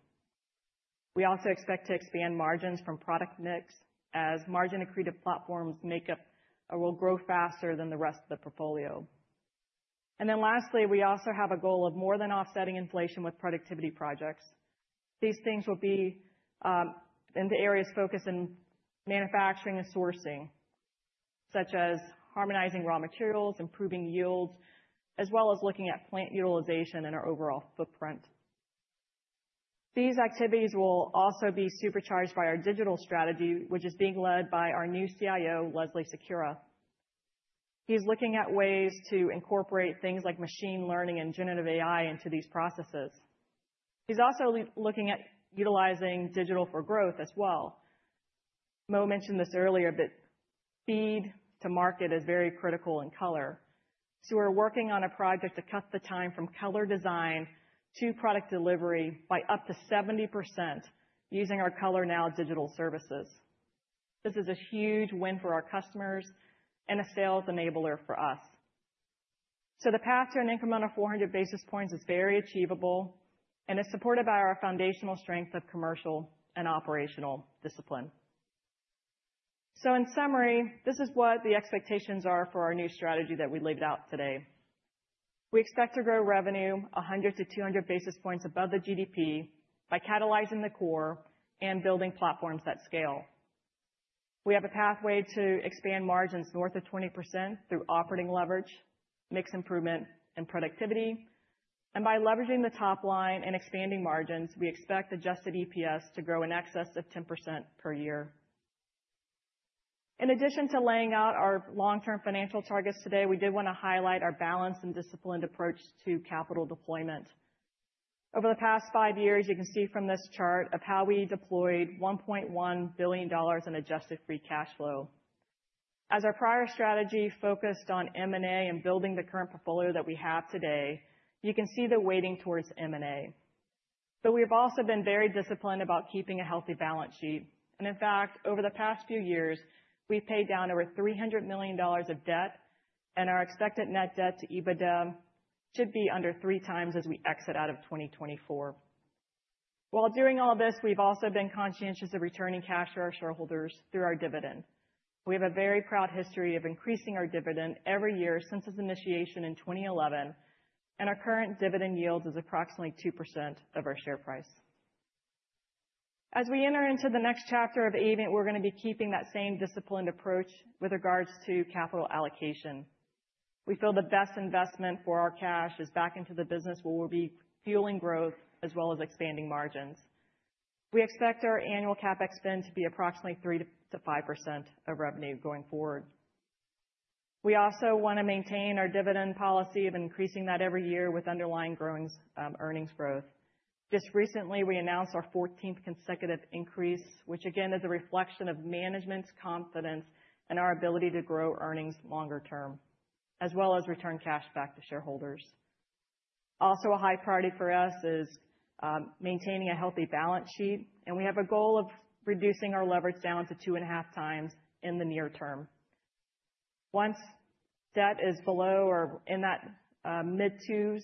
We also expect to expand margins from product mix as margin-accretive platforms will grow faster than the rest of the portfolio. Then lastly, we also have a goal of more than offsetting inflation with productivity projects. These things will be in the areas focused on manufacturing and sourcing, such as harmonizing raw materials, improving yields, as well as looking at plant utilization and our overall footprint. These activities will also be supercharged by our digital strategy, which is being led by our new CIO, Leslie Sequeira. He's looking at ways to incorporate things like machine learning and generative AI into these processes. He's also looking at utilizing digital for growth as well. Moh mentioned this earlier, but speed to market is very critical in color. So we're working on a project to cut the time from color design to product delivery by up to 70% using our ColorNow digital services. This is a huge win for our customers and a sales enabler for us. The path to an increment of 400 basis points is very achievable and is supported by our foundational strength of commercial and operational discipline. In summary, this is what the expectations are for our new strategy that we laid out today. We expect to grow revenue 100-200 basis points above the GDP by catalyzing the core and building platforms that scale. We have a pathway to expand margins north of 20% through operating leverage, mix improvement, and productivity. By leveraging the top line and expanding margins, we expect Adjusted EPS to grow in excess of 10% per year. In addition to laying out our long-term financial targets today, we did want to highlight our balanced and disciplined approach to capital deployment. Over the past five years, you can see from this chart of how we deployed $1.1 billion in adjusted free cash flow. As our prior strategy focused on M&A and building the current portfolio that we have today, you can see the weighting towards M&A. But we have also been very disciplined about keeping a healthy balance sheet. And in fact, over the past few years, we've paid down over $300 million of debt, and our expected net debt to EBITDA should be under three times as we exit out of 2024. While doing all this, we've also been conscientious of returning cash to our shareholders through our dividend. We have a very proud history of increasing our dividend every year since its initiation in 2011, and our current dividend yield is approximately 2% of our share price. As we enter into the next chapter of Avient, we're going to be keeping that same disciplined approach with regards to capital allocation. We feel the best investment for our cash is back into the business where we'll be fueling growth as well as expanding margins. We expect our annual CapEx spend to be approximately 3%-5% of revenue going forward. We also want to maintain our dividend policy of increasing that every year with underlying earnings growth. Just recently, we announced our 14th consecutive increase, which again is a reflection of management's confidence in our ability to grow earnings longer term, as well as return cash back to shareholders. Also, a high priority for us is maintaining a healthy balance sheet, and we have a goal of reducing our leverage down to two and a half times in the near term. Once debt is below or in that mid-twos,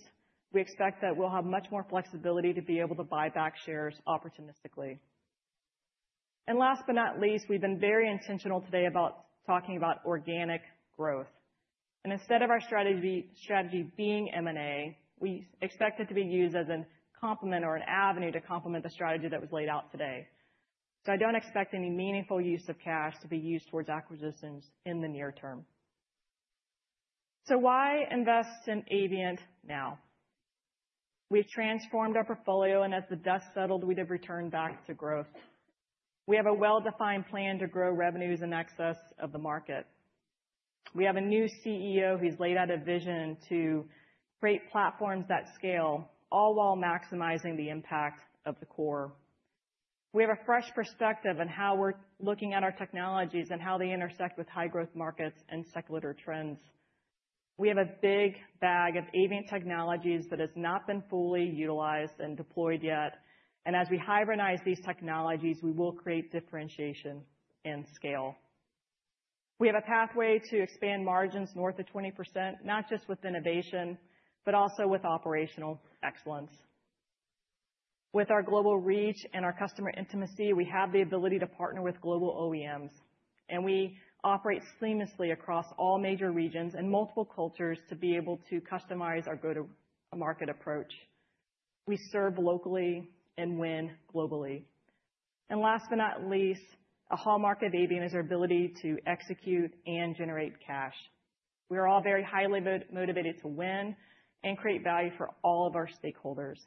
we expect that we'll have much more flexibility to be able to buy back shares opportunistically. Last but not least, we've been very intentional today about talking about organic growth. Instead of our strategy being M&A, we expect it to be used as a complement or an avenue to complement the strategy that was laid out today. I don't expect any meaningful use of cash to be used towards acquisitions in the near term. Why invest in Avient now? We've transformed our portfolio, and as the dust settled, we'd have returned back to growth. We have a well-defined plan to grow revenues in excess of the market. We have a new CEO who's laid out a vision to create platforms that scale, all while maximizing the impact of the core. We have a fresh perspective on how we're looking at our technologies and how they intersect with high-growth markets and secular trends. We have a big bag of Avient technologies that has not been fully utilized and deployed yet. And as we hybridize these technologies, we will create differentiation and scale. We have a pathway to expand margins north of 20%, not just with innovation, but also with operational excellence. With our global reach and our customer intimacy, we have the ability to partner with global OEMs, and we operate seamlessly across all major regions and multiple cultures to be able to customize our go-to-market approach. We serve locally and win globally. And last but not least, a hallmark of Avient is our ability to execute and generate cash. We are all very highly motivated to win and create value for all of our stakeholders.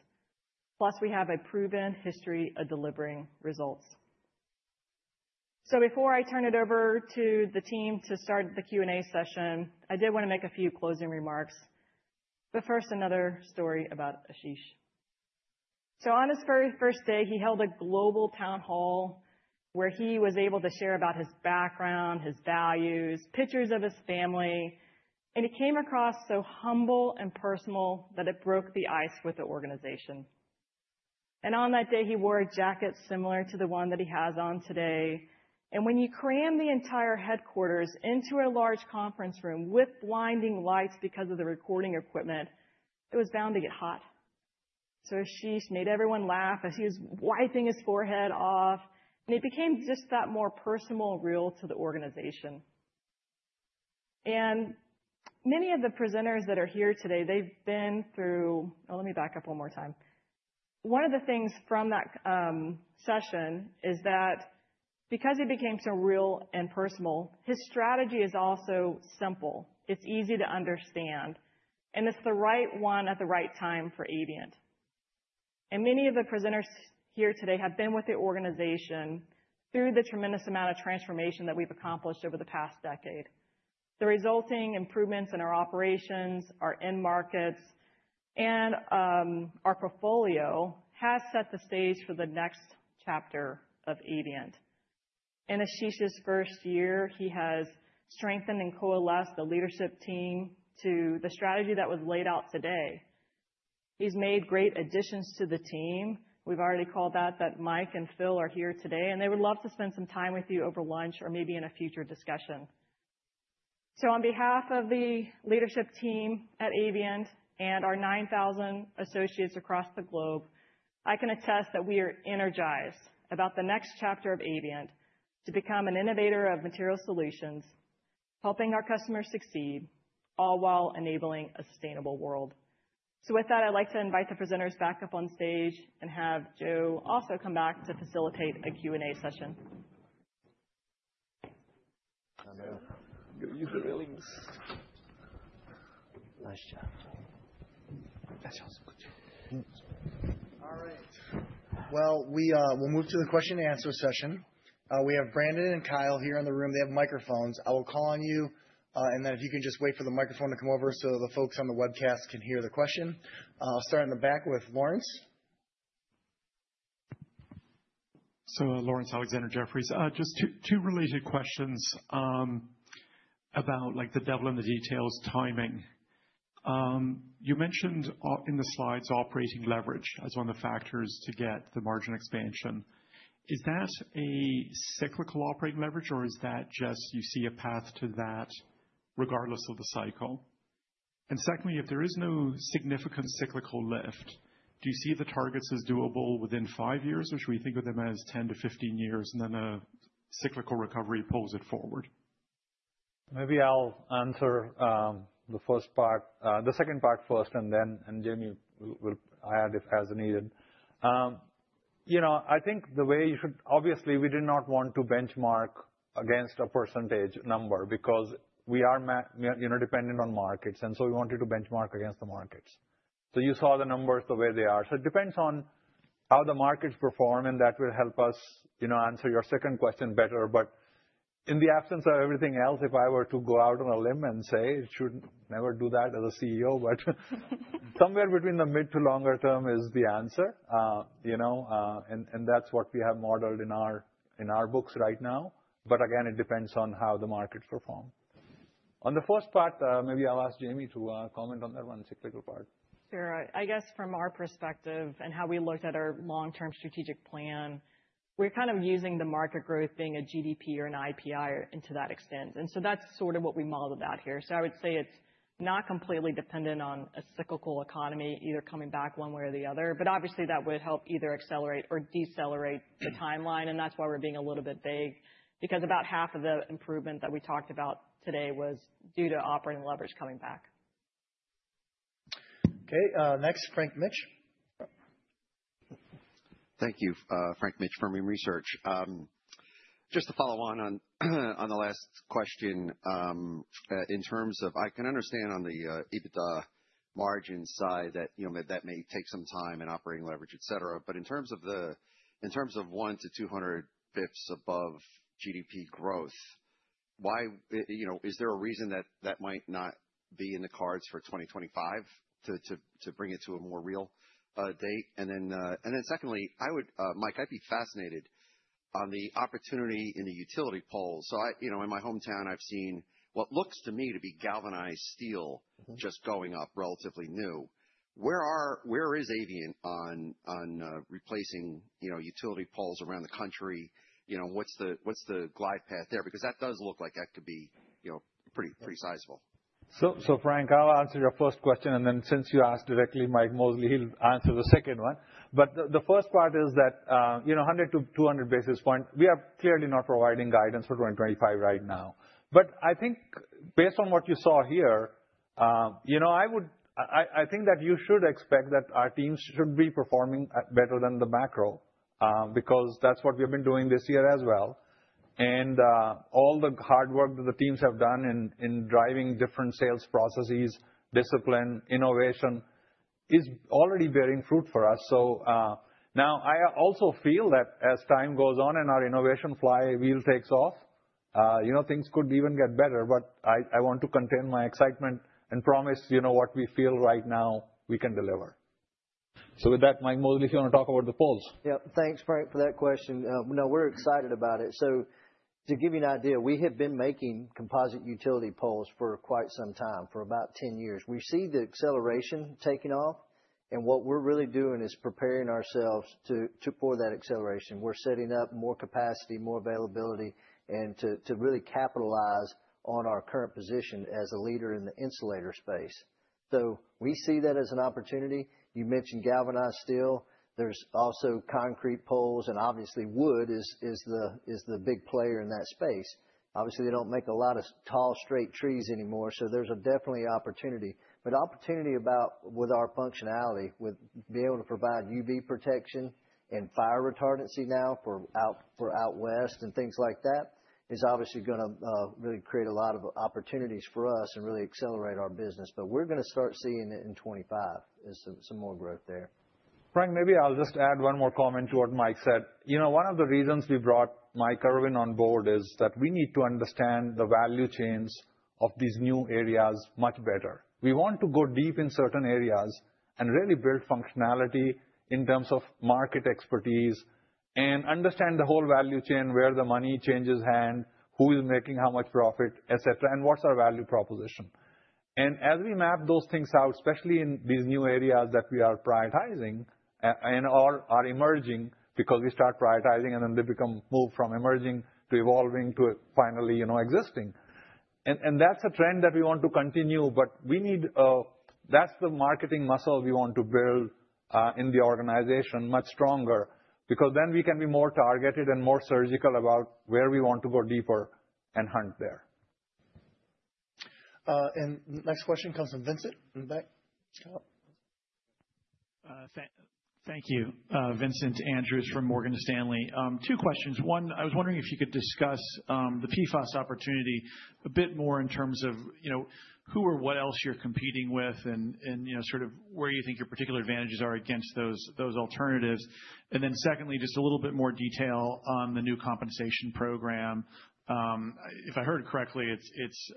Plus, we have a proven history of delivering results. Before I turn it over to the team to start the Q&A session, I did want to make a few closing remarks. First, another story about Ashish. On his very first day, he held a global town hall where he was able to share about his background, his values, pictures of his family, and he came across so humble and personal that it broke the ice with the organization. On that day, he wore a jacket similar to the one that he has on today. When you cram the entire headquarters into a large conference room with blinding lights because of the recording equipment, it was bound to get hot. Ashish made everyone laugh as he was wiping his forehead off, and it became just that more personal and real to the organization. Many of the presenters that are here today, they've been through. Oh, let me back up one more time. One of the things from that session is that because he became so real and personal, his strategy is also simple. It's easy to understand, and it's the right one at the right time for Avient. Many of the presenters here today have been with the organization through the tremendous amount of transformation that we've accomplished over the past decade. The resulting improvements in our operations, our end markets, and our portfolio have set the stage for the next chapter of Avient. In Ashish's first year, he has strengthened and coalesced the leadership team to the strategy that was laid out today. He's made great additions to the team. We've already called that Mike and Phil are here today, and they would love to spend some time with you over lunch or maybe in a future discussion. So on behalf of the leadership team at Avient and our 9,000 associates across the globe, I can attest that we are energized about the next chapter of Avient to become an innovator of material solutions, helping our customers succeed, all while enabling a sustainable world. So with that, I'd like to invite the presenters back up on stage and have Joe also come back to facilitate a Q&A session. Nice job. That sounds good. All right. We will move to the question-and-answer session. We have Brandon and Kyle here in the room. They have microphones. I will call on you, and then if you can just wait for the microphone to come over so the folks on the webcast can hear the question. I'll start in the back with Laurence. So Laurence Alexander, Jefferies, just two related questions about the devil in the details timing. You mentioned in the slides operating leverage as one of the factors to get the margin expansion. Is that a cyclical operating leverage, or is that just you see a path to that regardless of the cycle? And secondly, if there is no significant cyclical lift, do you see the targets as doable within five years, or should we think of them as 10-15 years, and then a cyclical recovery pulls it forward? Maybe I'll answer the first part. The second part first, and then Jamie will add if as needed. I think the way you should obviously, we did not want to benchmark against a percentage number because we are dependent on markets, and so we wanted to benchmark against the markets. So you saw the numbers the way they are. So it depends on how the markets perform, and that will help us answer your second question better, but in the absence of everything else, if I were to go out on a limb and say, "I should never do that as a CEO," but somewhere between the mid to longer term is the answer, and that's what we have modeled in our books right now, but again, it depends on how the markets perform. On the first part, maybe I'll ask Jamie to comment on that one cyclical part. Sure. I guess from our perspective and how we looked at our long-term strategic plan, we're kind of using the market growth being a GDP or an IPI or to that extent. And so that's sort of what we modeled out here. So I would say it's not completely dependent on a cyclical economy either coming back one way or the other, but obviously that would help either accelerate or decelerate the timeline. And that's why we're being a little bit vague, because about half of the improvement that we talked about today was due to operating leverage coming back. Okay. Next, Frank Mitsch. Thank you, Frank Mitsch from Fermium Research. Just to follow on the last question, in terms of, I can understand on the EBITDA margin side that that may take some time and operating leverage, et cetera. In terms of 100-200 basis points above GDP growth, is there a reason that that might not be in the cards for 2025 to bring it to a more real date? And then secondly, Mike, I'd be fascinated on the opportunity in the utility poles. In my hometown, I've seen what looks to me to be galvanized steel just going up relatively new. Where is Avient on replacing utility poles around the country? What's the glide path there? Because that does look like that could be pretty sizable. Frank, I'll answer your first question, and then since you asked directly, Mike Mosley, he'll answer the second one. The first part is that 100-200 basis points, we are clearly not providing guidance for 2025 right now. But I think based on what you saw here, I think that you should expect that our teams should be performing better than the macro because that's what we have been doing this year as well. And all the hard work that the teams have done in driving different sales processes, discipline, innovation is already bearing fruit for us. So now I also feel that as time goes on and our innovation flywheel takes off, things could even get better, but I want to contain my excitement and promise what we feel right now we can deliver. So with that, Mike Mosley, if you want to talk about the poles. Yeah. Thanks, Frank, for that question. No, we're excited about it. So to give you an idea, we have been making composite utility poles for quite some time, for about 10 years. We see the acceleration taking off, and what we're really doing is preparing ourselves for that acceleration. We're setting up more capacity, more availability, and to really capitalize on our current position as a leader in the insulator space. So we see that as an opportunity. You mentioned galvanized steel. There's also concrete poles, and obviously wood is the big player in that space. Obviously, they don't make a lot of tall straight trees anymore, so there's definitely opportunity. But opportunity abounds with our functionality, with being able to provide UV protection and fire retardancy now for out West and things like that is obviously going to really create a lot of opportunities for us and really accelerate our business. But we're going to start seeing it in 2025, some more growth there. Frank, maybe I'll just add one more comment to what Mike said. One of the reasons we brought Mike Irwin on board is that we need to understand the value chains of these new areas much better. We want to go deep in certain areas and really build functionality in terms of market expertise and understand the whole value chain, where the money changes hands, who is making how much profit, et cetera, and what's our value proposition. And as we map those things out, especially in these new areas that we are prioritizing and are emerging because we start prioritizing, and then they become moved from emerging to evolving to finally existing. And that's a trend that we want to continue, but we need. That's the marketing muscle we want to build in the organization much stronger because then we can be more targeted and more surgical about where we want to go deeper and hunt there. The next question comes from Vincent. Thank you. Vincent Andrews from Morgan Stanley. Two questions. One, I was wondering if you could discuss the PFAS opportunity a bit more in terms of who or what else you're competing with and sort of where you think your particular advantages are against those alternatives. And then secondly, just a little bit more detail on the new compensation program. If I heard correctly, it's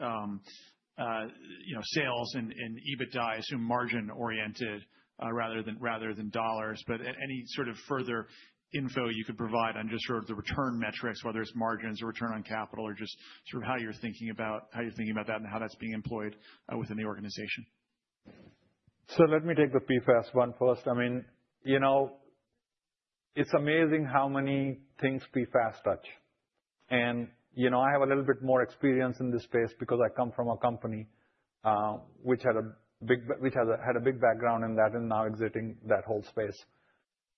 sales and EBITDA, I assume, margin-oriented rather than dollars. But any sort of further info you could provide on just sort of the return metrics, whether it's margins or return on capital or just sort of how you're thinking about that and how that's being employed within the organization. So let me take the PFAS one first. I mean, it's amazing how many things PFAS touch. And I have a little bit more experience in this space because I come from a company which had a big background in that and now exiting that whole space.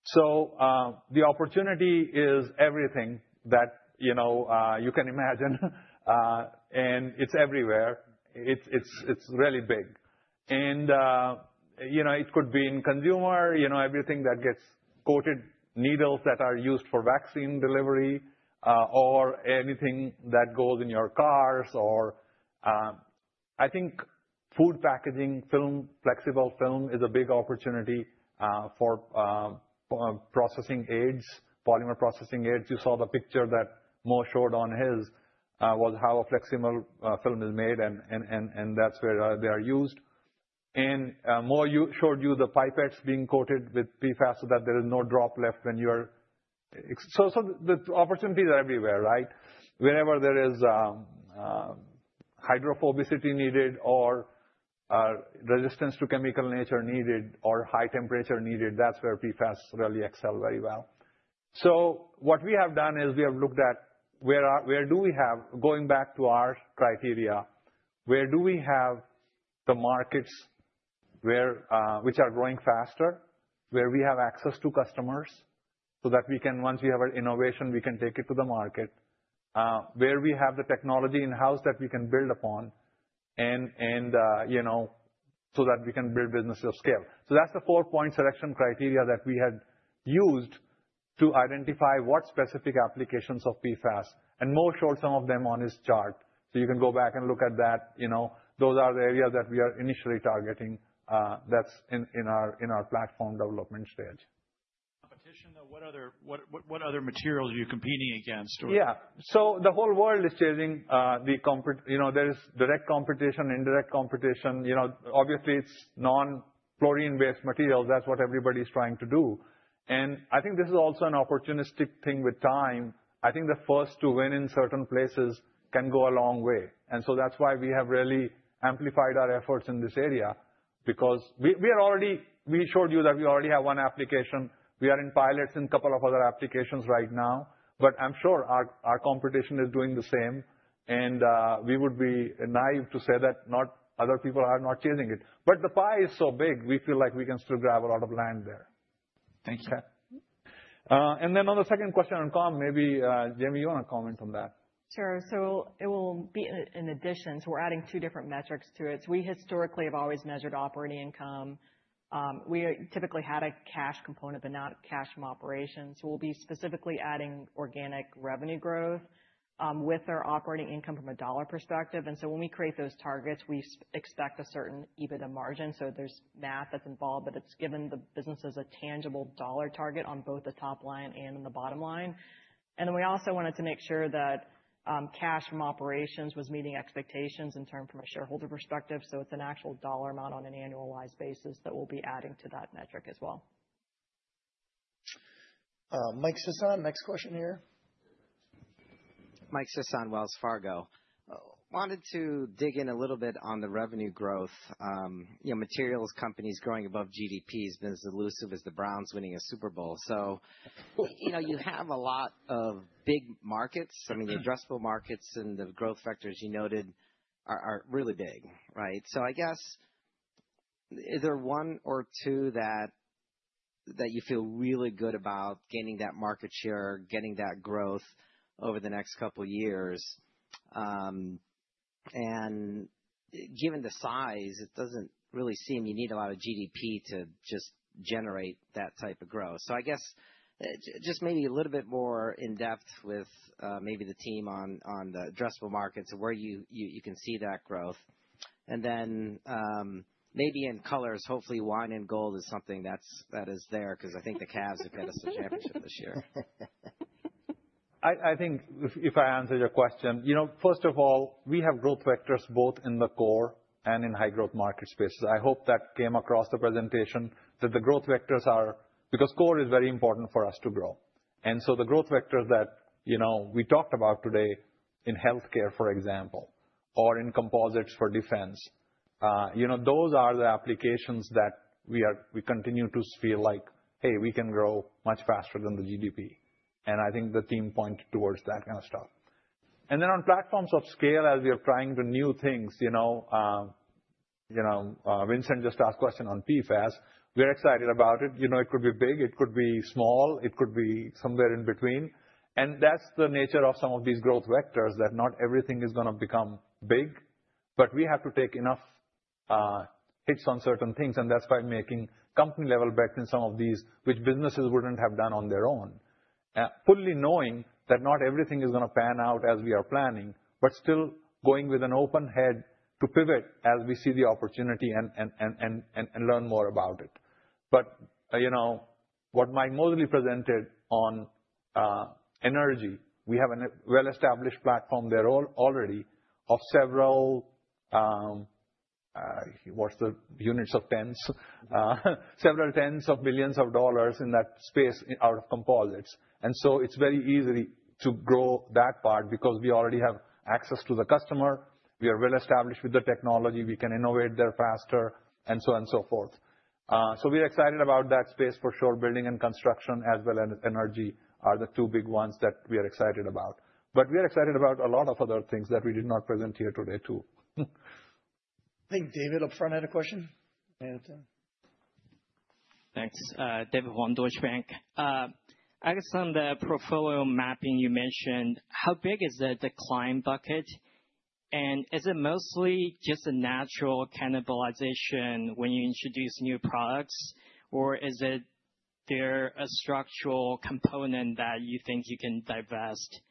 So the opportunity is everything that you can imagine, and it's everywhere. It's really big. And it could be in consumer, everything that gets coated, needles that are used for vaccine delivery, or anything that goes in your cars, or I think food packaging, flexible film is a big opportunity for processing aids, polymer processing aids. You saw the picture that Moh showed on his was how a flexible film is made, and that's where they are used. And Moh showed you the pipettes being coated with PFAS so that there is no drop left when you are so the opportunities are everywhere, right? Wherever there is hydrophobicity needed or resistance to chemical nature needed or high temperature needed, that's where PFAS really excel very well. So what we have done is we have looked at where do we have, going back to our criteria, where we have the markets which are growing faster, where we have access to customers so that once we have an innovation, we can take it to the market, where we have the technology in-house that we can build upon so that we can build business of scale. So that's the four-point selection criteria that we had used to identify what specific applications of PFAS. And Moh showed some of them on his chart. So you can go back and look at that. Those are the areas that we are initially targeting that's in our platform development stage. Competition, though? What other materials are you competing against? Yeah. So the whole world is changing. There is direct competition, indirect competition. Obviously, it's non-fluorine-based materials. That's what everybody's trying to do. And I think this is also an opportunistic thing with time. I think the first to win in certain places can go a long way. And so that's why we have really amplified our efforts in this area because we showed you that we already have one application. We are in pilots in a couple of other applications right now, but I'm sure our competition is doing the same. And we would be naive to say that other people are not chasing it. But the pie is so big, we feel like we can still grab a lot of land there. Thank you. And then on the second question on comp, maybe Jamie, you want to comment on that. Sure. So it will be in addition. So we're adding two different metrics to it. So we historically have always measured operating income. We typically had a cash component, but not cash from operations. So we'll be specifically adding organic revenue growth with our operating income from a dollar perspective. And so when we create those targets, we expect a certain EBITDA margin. So there's math that's involved, but it's given the businesses a tangible dollar target on both the top line and on the bottom line. And then we also wanted to make sure that cash from operations was meeting expectations in terms from a shareholder perspective. So it's an actual dollar amount on an annualized basis that we'll be adding to that metric as well. Mike Sison, next question here. Mike Sison, Wells Fargo. Wanted to dig in a little bit on the revenue growth. Materials companies growing above GDP has been as elusive as the Browns winning a Super Bowl. So you have a lot of big markets. I mean, the addressable markets and the growth factors you noted are really big, right? So I guess is there one or two that you feel really good about gaining that market share, getting that growth over the next couple of years? And given the size, it doesn't really seem you need a lot of GDP to just generate that type of growth. So I guess just maybe a little bit more in depth with maybe the team on the addressable markets and where you can see that growth. And then maybe in colors, hopefully wine and gold is something that is there because I think the Cavs have got us a championship this year. I think if I answer your question, first of all, we have growth vectors both in the core and in high-growth market spaces. I hope that came across the presentation that the growth vectors are because core is very important for us to grow. And so the growth vectors that we talked about today in healthcare, for example, or in composites for defense, those are the applications that we continue to feel like, "Hey, we can grow much faster than the GDP." And I think the team pointed towards that kind of stuff. And then on platforms of scale, as we are trying new things, Vincent just asked a question on PFAS. We're excited about it. It could be big. It could be small. It could be somewhere in between. And that's the nature of some of these growth vectors that not everything is going to become big, but we have to take enough hits on certain things. And that's why making company-level bets in some of these, which businesses wouldn't have done on their own, fully knowing that not everything is going to pan out as we are planning, but still going with an open mind to pivot as we see the opportunity and learn more about it. But what Mike Mosley presented on energy, we have a well-established platform there already of several tens of millions of dollars in that space out of composites. And so it's very easy to grow that part because we already have access to the customer. We are well-established with the technology. We can innovate there faster and so on and so forth. So we're excited about that space for sure. Building and construction as well as energy are the two big ones that we are excited about. But we are excited about a lot of other things that we did not present here today too. I think David up front had a question. Thanks. David Begleiter, Deutsche Bank. I guess on the portfolio mapping you mentioned, how big is the decline bucket? And is it mostly just a natural cannibalization when you introduce new products, or is there a structural component that you think you can divest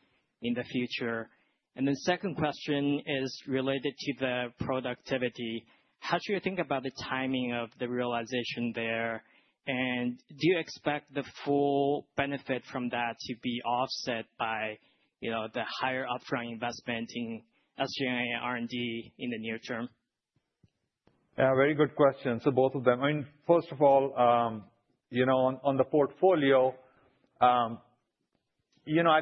in the future? And the second question is related to the productivity. How should you think about the timing of the realization there? And do you expect the full benefit from that to be offset by the higher upfront investment in SG&A R&D in the near term? Very good question. So both of them. I mean, first of all, on the portfolio, I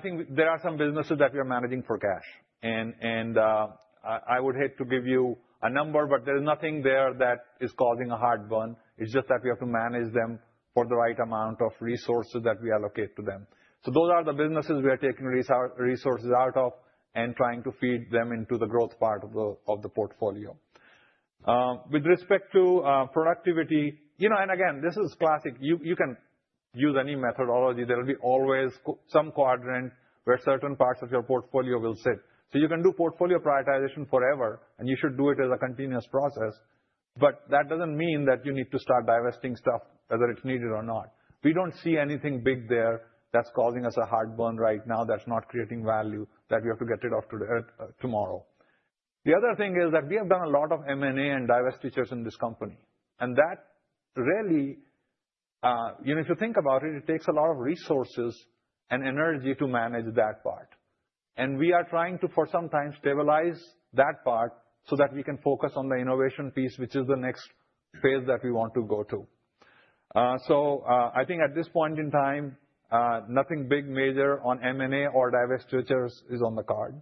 think there are some businesses that we are managing for cash, and I would hate to give you a number, but there is nothing there that is causing a hard burn. It's just that we have to manage them for the right amount of resources that we allocate to them, so those are the businesses we are taking resources out of and trying to feed them into the growth part of the portfolio. With respect to productivity, and again, this is classic. You can use any methodology. There will be always some quadrant where certain parts of your portfolio will sit, so you can do portfolio prioritization forever, and you should do it as a continuous process, but that doesn't mean that you need to start divesting stuff whether it's needed or not. We don't see anything big there that's causing us a hard burn right now that's not creating value that we have to get rid of tomorrow. The other thing is that we have done a lot of M&A and divestitures in this company, and that really, if you think about it, it takes a lot of resources and energy to manage that part, and we are trying to, for some time, stabilize that part so that we can focus on the innovation piece, which is the next phase that we want to go to, so I think at this point in time, nothing big major on M&A or divestitures is on the card.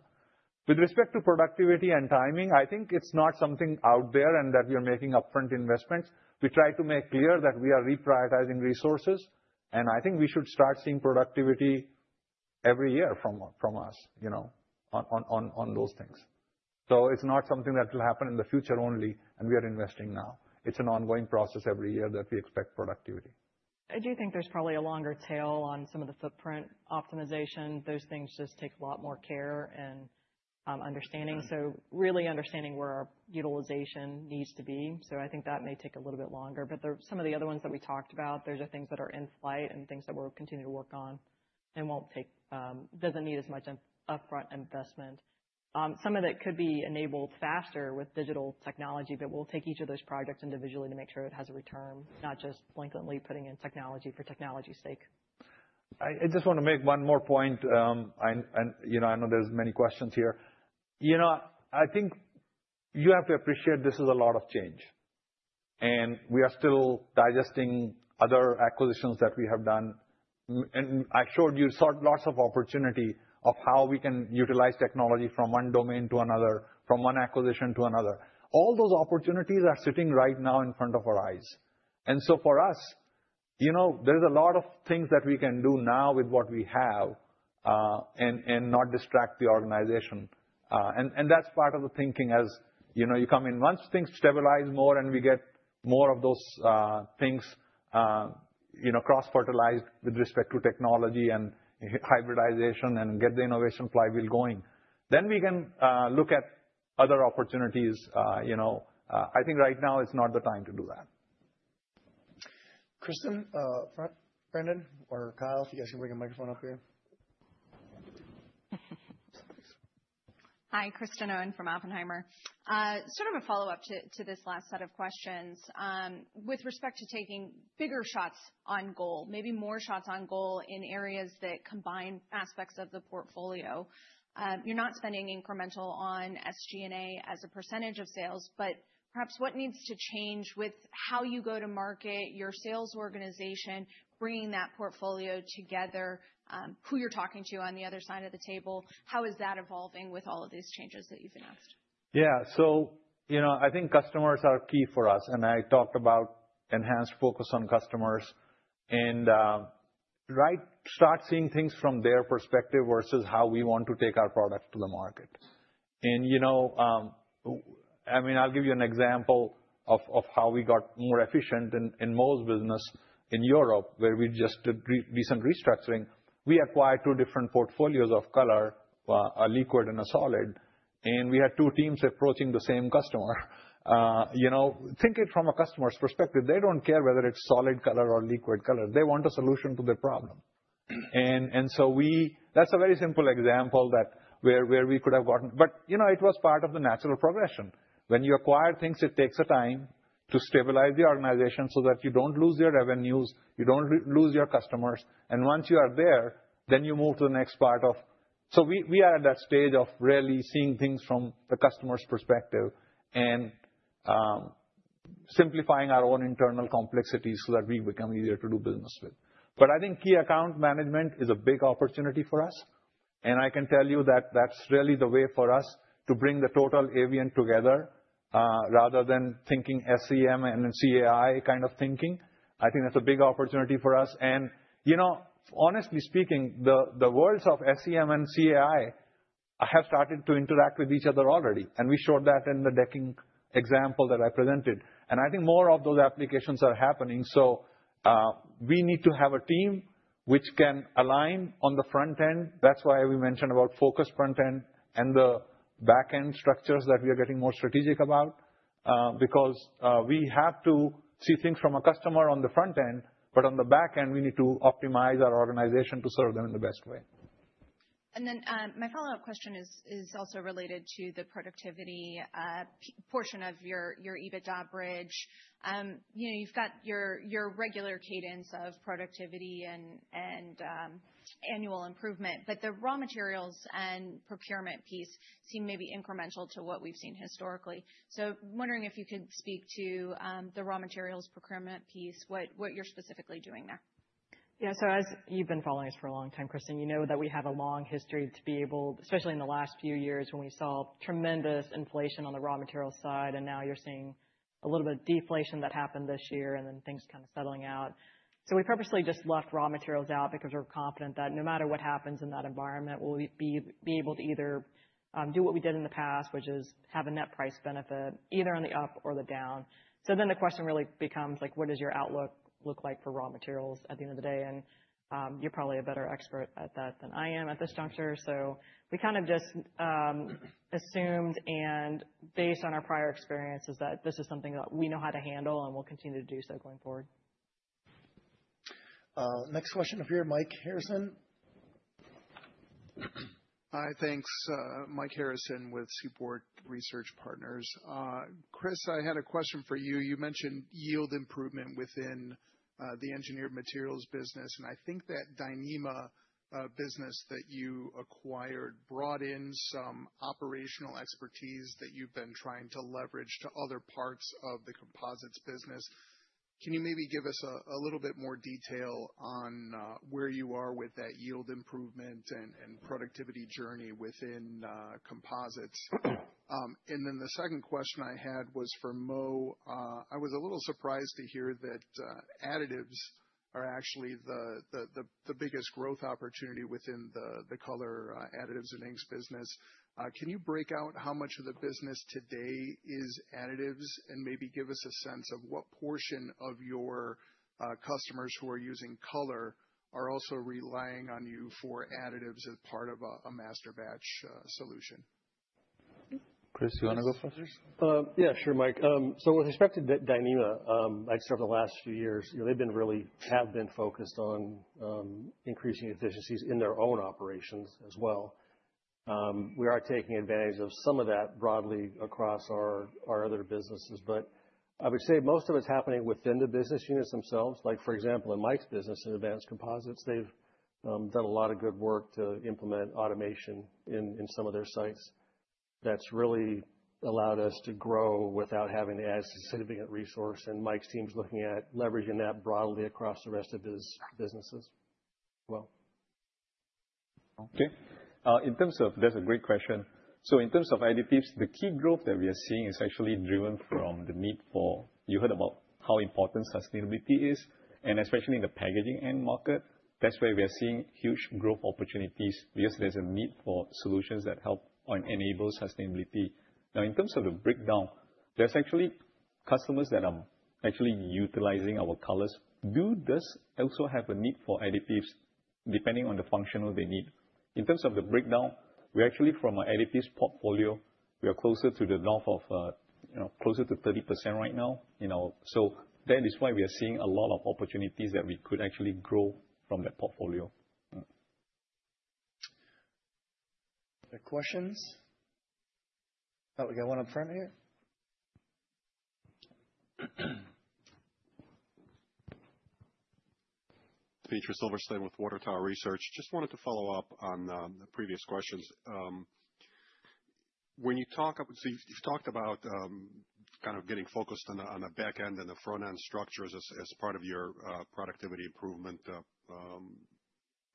With respect to productivity and timing, I think it's not something out there and that we are making upfront investments. We try to make clear that we are reprioritizing resources. I think we should start seeing productivity every year from us on those things. It's not something that will happen in the future only, and we are investing now. It's an ongoing process every year that we expect productivity. I do think there's probably a longer tail on some of the footprint optimization. Those things just take a lot more care and understanding, so really understanding where our utilization needs to be. I think that may take a little bit longer. Some of the other ones that we talked about, there's things that are in flight and things that we'll continue to work on and doesn't need as much upfront investment. Some of it could be enabled faster with digital technology, but we'll take each of those projects individually to make sure it has a return, not just blanketly putting in technology for technology's sake. I just want to make one more point. I know there's many questions here. I think you have to appreciate this is a lot of change. And we are still digesting other acquisitions that we have done. And I showed you lots of opportunity of how we can utilize technology from one domain to another, from one acquisition to another. All those opportunities are sitting right now in front of our eyes. And so for us, there's a lot of things that we can do now with what we have and not distract the organization. And that's part of the thinking as you come in. Once things stabilize more and we get more of those things cross-fertilized with respect to technology and hybridization and get the innovation flywheel going, then we can look at other opportunities. I think right now it's not the time to do that. Kristen, Brendan, or Kyle, if you guys can bring a microphone up here. Hi, Kristen Owen from Oppenheimer. Sort of a follow-up to this last set of questions. With respect to taking bigger shots on goal, maybe more shots on goal in areas that combine aspects of the portfolio, you're not spending incremental on SG&A as a percentage of sales, but perhaps what needs to change with how you go to market your sales organization, bringing that portfolio together, who you're talking to on the other side of the table? How is that evolving with all of these changes that you've announced? Yeah. I think customers are key for us. I talked about enhanced focus on customers and start seeing things from their perspective versus how we want to take our product to the market. I mean, I'll give you an example of how we got more efficient in Moh's business in Europe, where we just did recent restructuring. We acquired two different portfolios of color, a liquid and a solid. We had two teams approaching the same customer. Think of it from a customer's perspective. They don't care whether it's solid color or liquid color. They want a solution to their problem. That's a very simple example where we could have gotten. But it was part of the natural progression. When you acquire things, it takes a time to stabilize the organization so that you don't lose your revenues, you don't lose your customers. Once you are there, then you move to the next part of. So we are at that stage of really seeing things from the customer's perspective and simplifying our own internal complexities so that we become easier to do business with. But I think key account management is a big opportunity for us. And I can tell you that that's really the way for us to bring the total Avient together rather than thinking SEM and CAI kind of thinking. I think that's a big opportunity for us. And honestly speaking, the worlds of SEM and CAI have started to interact with each other already. And we showed that in the decking example that I presented. And I think more of those applications are happening. So we need to have a team which can align on the front end. That's why we mentioned about focused front end and the back end structures that we are getting more strategic about because we have to see things from a customer on the front end, but on the back end, we need to optimize our organization to serve them in the best way. And then my follow-up question is also related to the productivity portion of your EBITDA bridge. You've got your regular cadence of productivity and annual improvement, but the raw materials and procurement piece seem maybe incremental to what we've seen historically. So I'm wondering if you could speak to the raw materials procurement piece, what you're specifically doing there. Yeah. So as you've been following us for a long time, Kristen, you know that we have a long history to be able, especially in the last few years when we saw tremendous inflation on the raw materials side, and now you're seeing a little bit of deflation that happened this year and then things kind of settling out. So we purposely just left raw materials out because we're confident that no matter what happens in that environment, we'll be able to either do what we did in the past, which is have a net price benefit either on the up or the down. So then the question really becomes, what does your outlook look like for raw materials at the end of the day? And you're probably a better expert at that than I am at this juncture. So we kind of just assumed and based on our prior experiences that this is something that we know how to handle and we'll continue to do so going forward. Next question up here, Mike Harrison. Hi, thanks. Mike Harrison with Seaport Research Partners. Chris, I had a question for you. You mentioned yield improvement within the engineered materials business. And I think that Dyneema business that you acquired brought in some operational expertise that you've been trying to leverage to other parts of the composites business. Can you maybe give us a little bit more detail on where you are with that yield improvement and productivity journey within composites? And then the second question I had was for Moh. I was a little surprised to hear that additives are actually the biggest growth opportunity within the Color, Additives and Inks business. Can you break out how much of the business today is additives and maybe give us a sense of what portion of your customers who are using color are also relying on you for additives as part of a masterbatch solution? Chris, do you want to go first? Yeah, sure, Mike. So with respect to Dyneema, I'd say over the last few years, they've been really focused on increasing efficiencies in their own operations as well. We are taking advantage of some of that broadly across our other businesses. But I would say most of it's happening within the business units themselves. For example, in Mike's business in Advanced Composites, they've done a lot of good work to implement automation in some of their sites. That's really allowed us to grow without having to add significant resource. Mike's team's looking at leveraging that broadly across the rest of his businesses. In terms of, that's a great question. So in terms of additives, the key growth that we are seeing is actually driven from the need. You heard about how important sustainability is, and especially in the packaging end market. That's where we are seeing huge growth opportunities because there's a need for solutions that help enable sustainability. Now, in terms of the breakdown, there's actually customers that are actually utilizing our colors. Do this also have a need for additives depending on the functional they need? In terms of the breakdown, we're actually from an additives portfolio, we are closer to the north of closer to 30% right now. So that is why we are seeing a lot of opportunities that we could actually grow from that portfolio. Other questions? I thought we got one up front here. Dmitry Silversteyn with Water Tower Research. Just wanted to follow up on the previous questions. When you talk so you've talked about kind of getting focused on the back end and the front end structures as part of your productivity improvement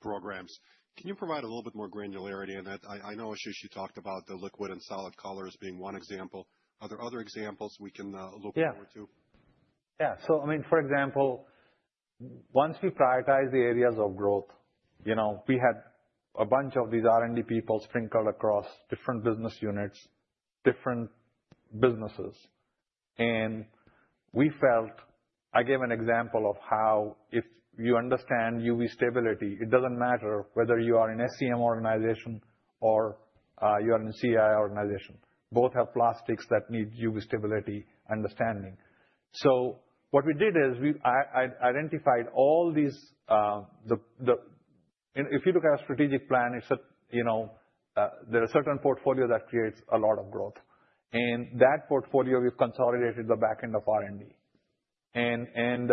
programs. Can you provide a little bit more granularity on that? I know Ashish, you talked about the liquid and solid colors being one example. Are there other examples we can look forward to? Yeah. So I mean, for example, once we prioritized the areas of growth, we had a bunch of these R&D people sprinkled across different business units, different businesses. And we felt. I gave an example of how if you understand UV stability, it doesn't matter whether you are in SEM organization or you are in CAI organization. Both have plastics that need UV stability understanding. So, what we did is we identified all these. If you look at our strategic plan, there are certain portfolios that create a lot of growth. And that portfolio, we've consolidated the back end of R&D. And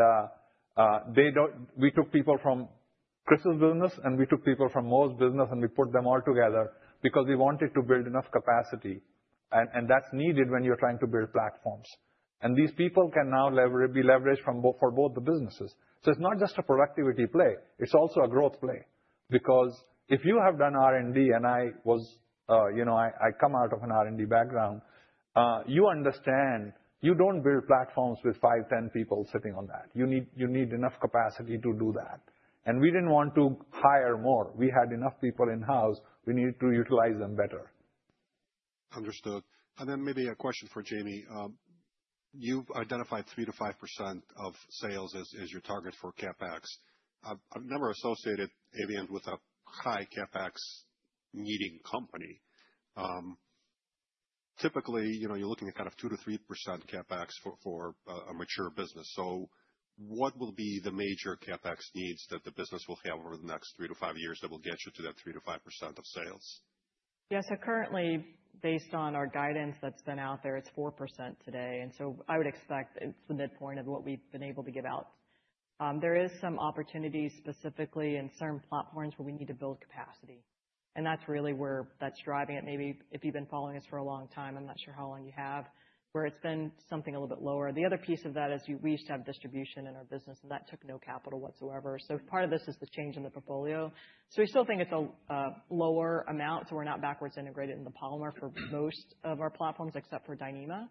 we took people from Chris's business and we took people from Moh's business and we put them all together because we wanted to build enough capacity. And that's needed when you're trying to build platforms. And these people can now be leveraged for both the businesses. So it's not just a productivity play. It's also a growth play. Because if you have done R&D and I come out of an R&D background, you understand you don't build platforms with five, 10 people sitting on that. You need enough capacity to do that. And we didn't want to hire more. We had enough people in-house. We needed to utilize them better. Understood. And then maybe a question for Jamie. You've identified 3%-5% of sales as your target for CapEx. I've never associated Avient with a high CapEx needing company. Typically, you're looking at kind of 2%-3% CapEx for a mature business. So what will be the major CapEx needs that the business will have over the next 3-5 years that will get you to that 3%-5% of sales? Yeah. So currently, based on our guidance that's been out there, it's 4% today. And so I would expect it's the midpoint of what we've been able to give out. There is some opportunity specifically in certain platforms where we need to build capacity. And that's really where that's driving it. Maybe if you've been following us for a long time, I'm not sure how long you have, where it's been something a little bit lower. The other piece of that is we used to have distribution in our business, and that took no capital whatsoever. So part of this is the change in the portfolio. So we still think it's a lower amount. So we're not backwards integrated in the polymer for most of our platforms except for Dyneema.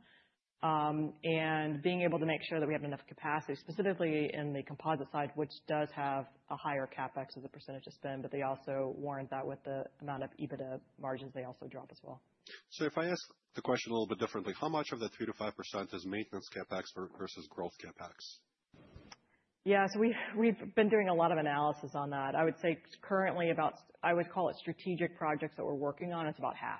And being able to make sure that we have enough capacity, specifically in the composite side, which does have a higher CapEx as a percentage of spend, but they also warrant that with the amount of EBITDA margins they also drop as well. So if I ask the question a little bit differently, how much of that 3%-5% is maintenance CapEx versus growth CapEx? Yeah. So we've been doing a lot of analysis on that. I would say currently about, I would call it strategic projects that we're working on, it's about half.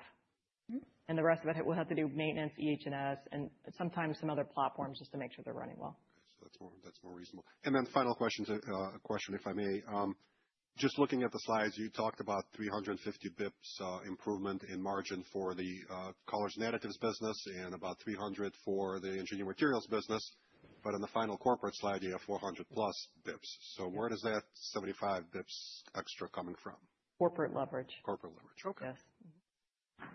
And the rest of it, we'll have to do maintenance, EH&S, and sometimes some other platforms just to make sure they're running well. Okay. So that's more reasonable. And then final question, if I may. Just looking at the slides, you talked about 350 basis points improvement in margin for the colors and additives business and about 300 basis points for the engineered materials business. But on the final corporate slide, you have 400+ basis points. So where does that 75 basis points extra coming from? Corporate leverage. Corporate leverage. Okay. Yes.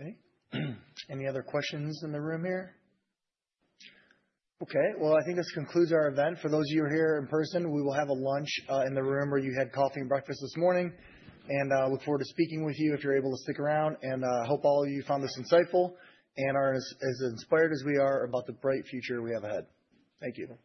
Okay. Any other questions in the room here? Okay. Well, I think this concludes our event. For those of you here in person, we will have a lunch in the room where you had coffee and breakfast this morning. And I look forward to speaking with you if you're able to stick around. And I hope all of you found this insightful and are as inspired as we are about the bright future we have ahead. Thank you.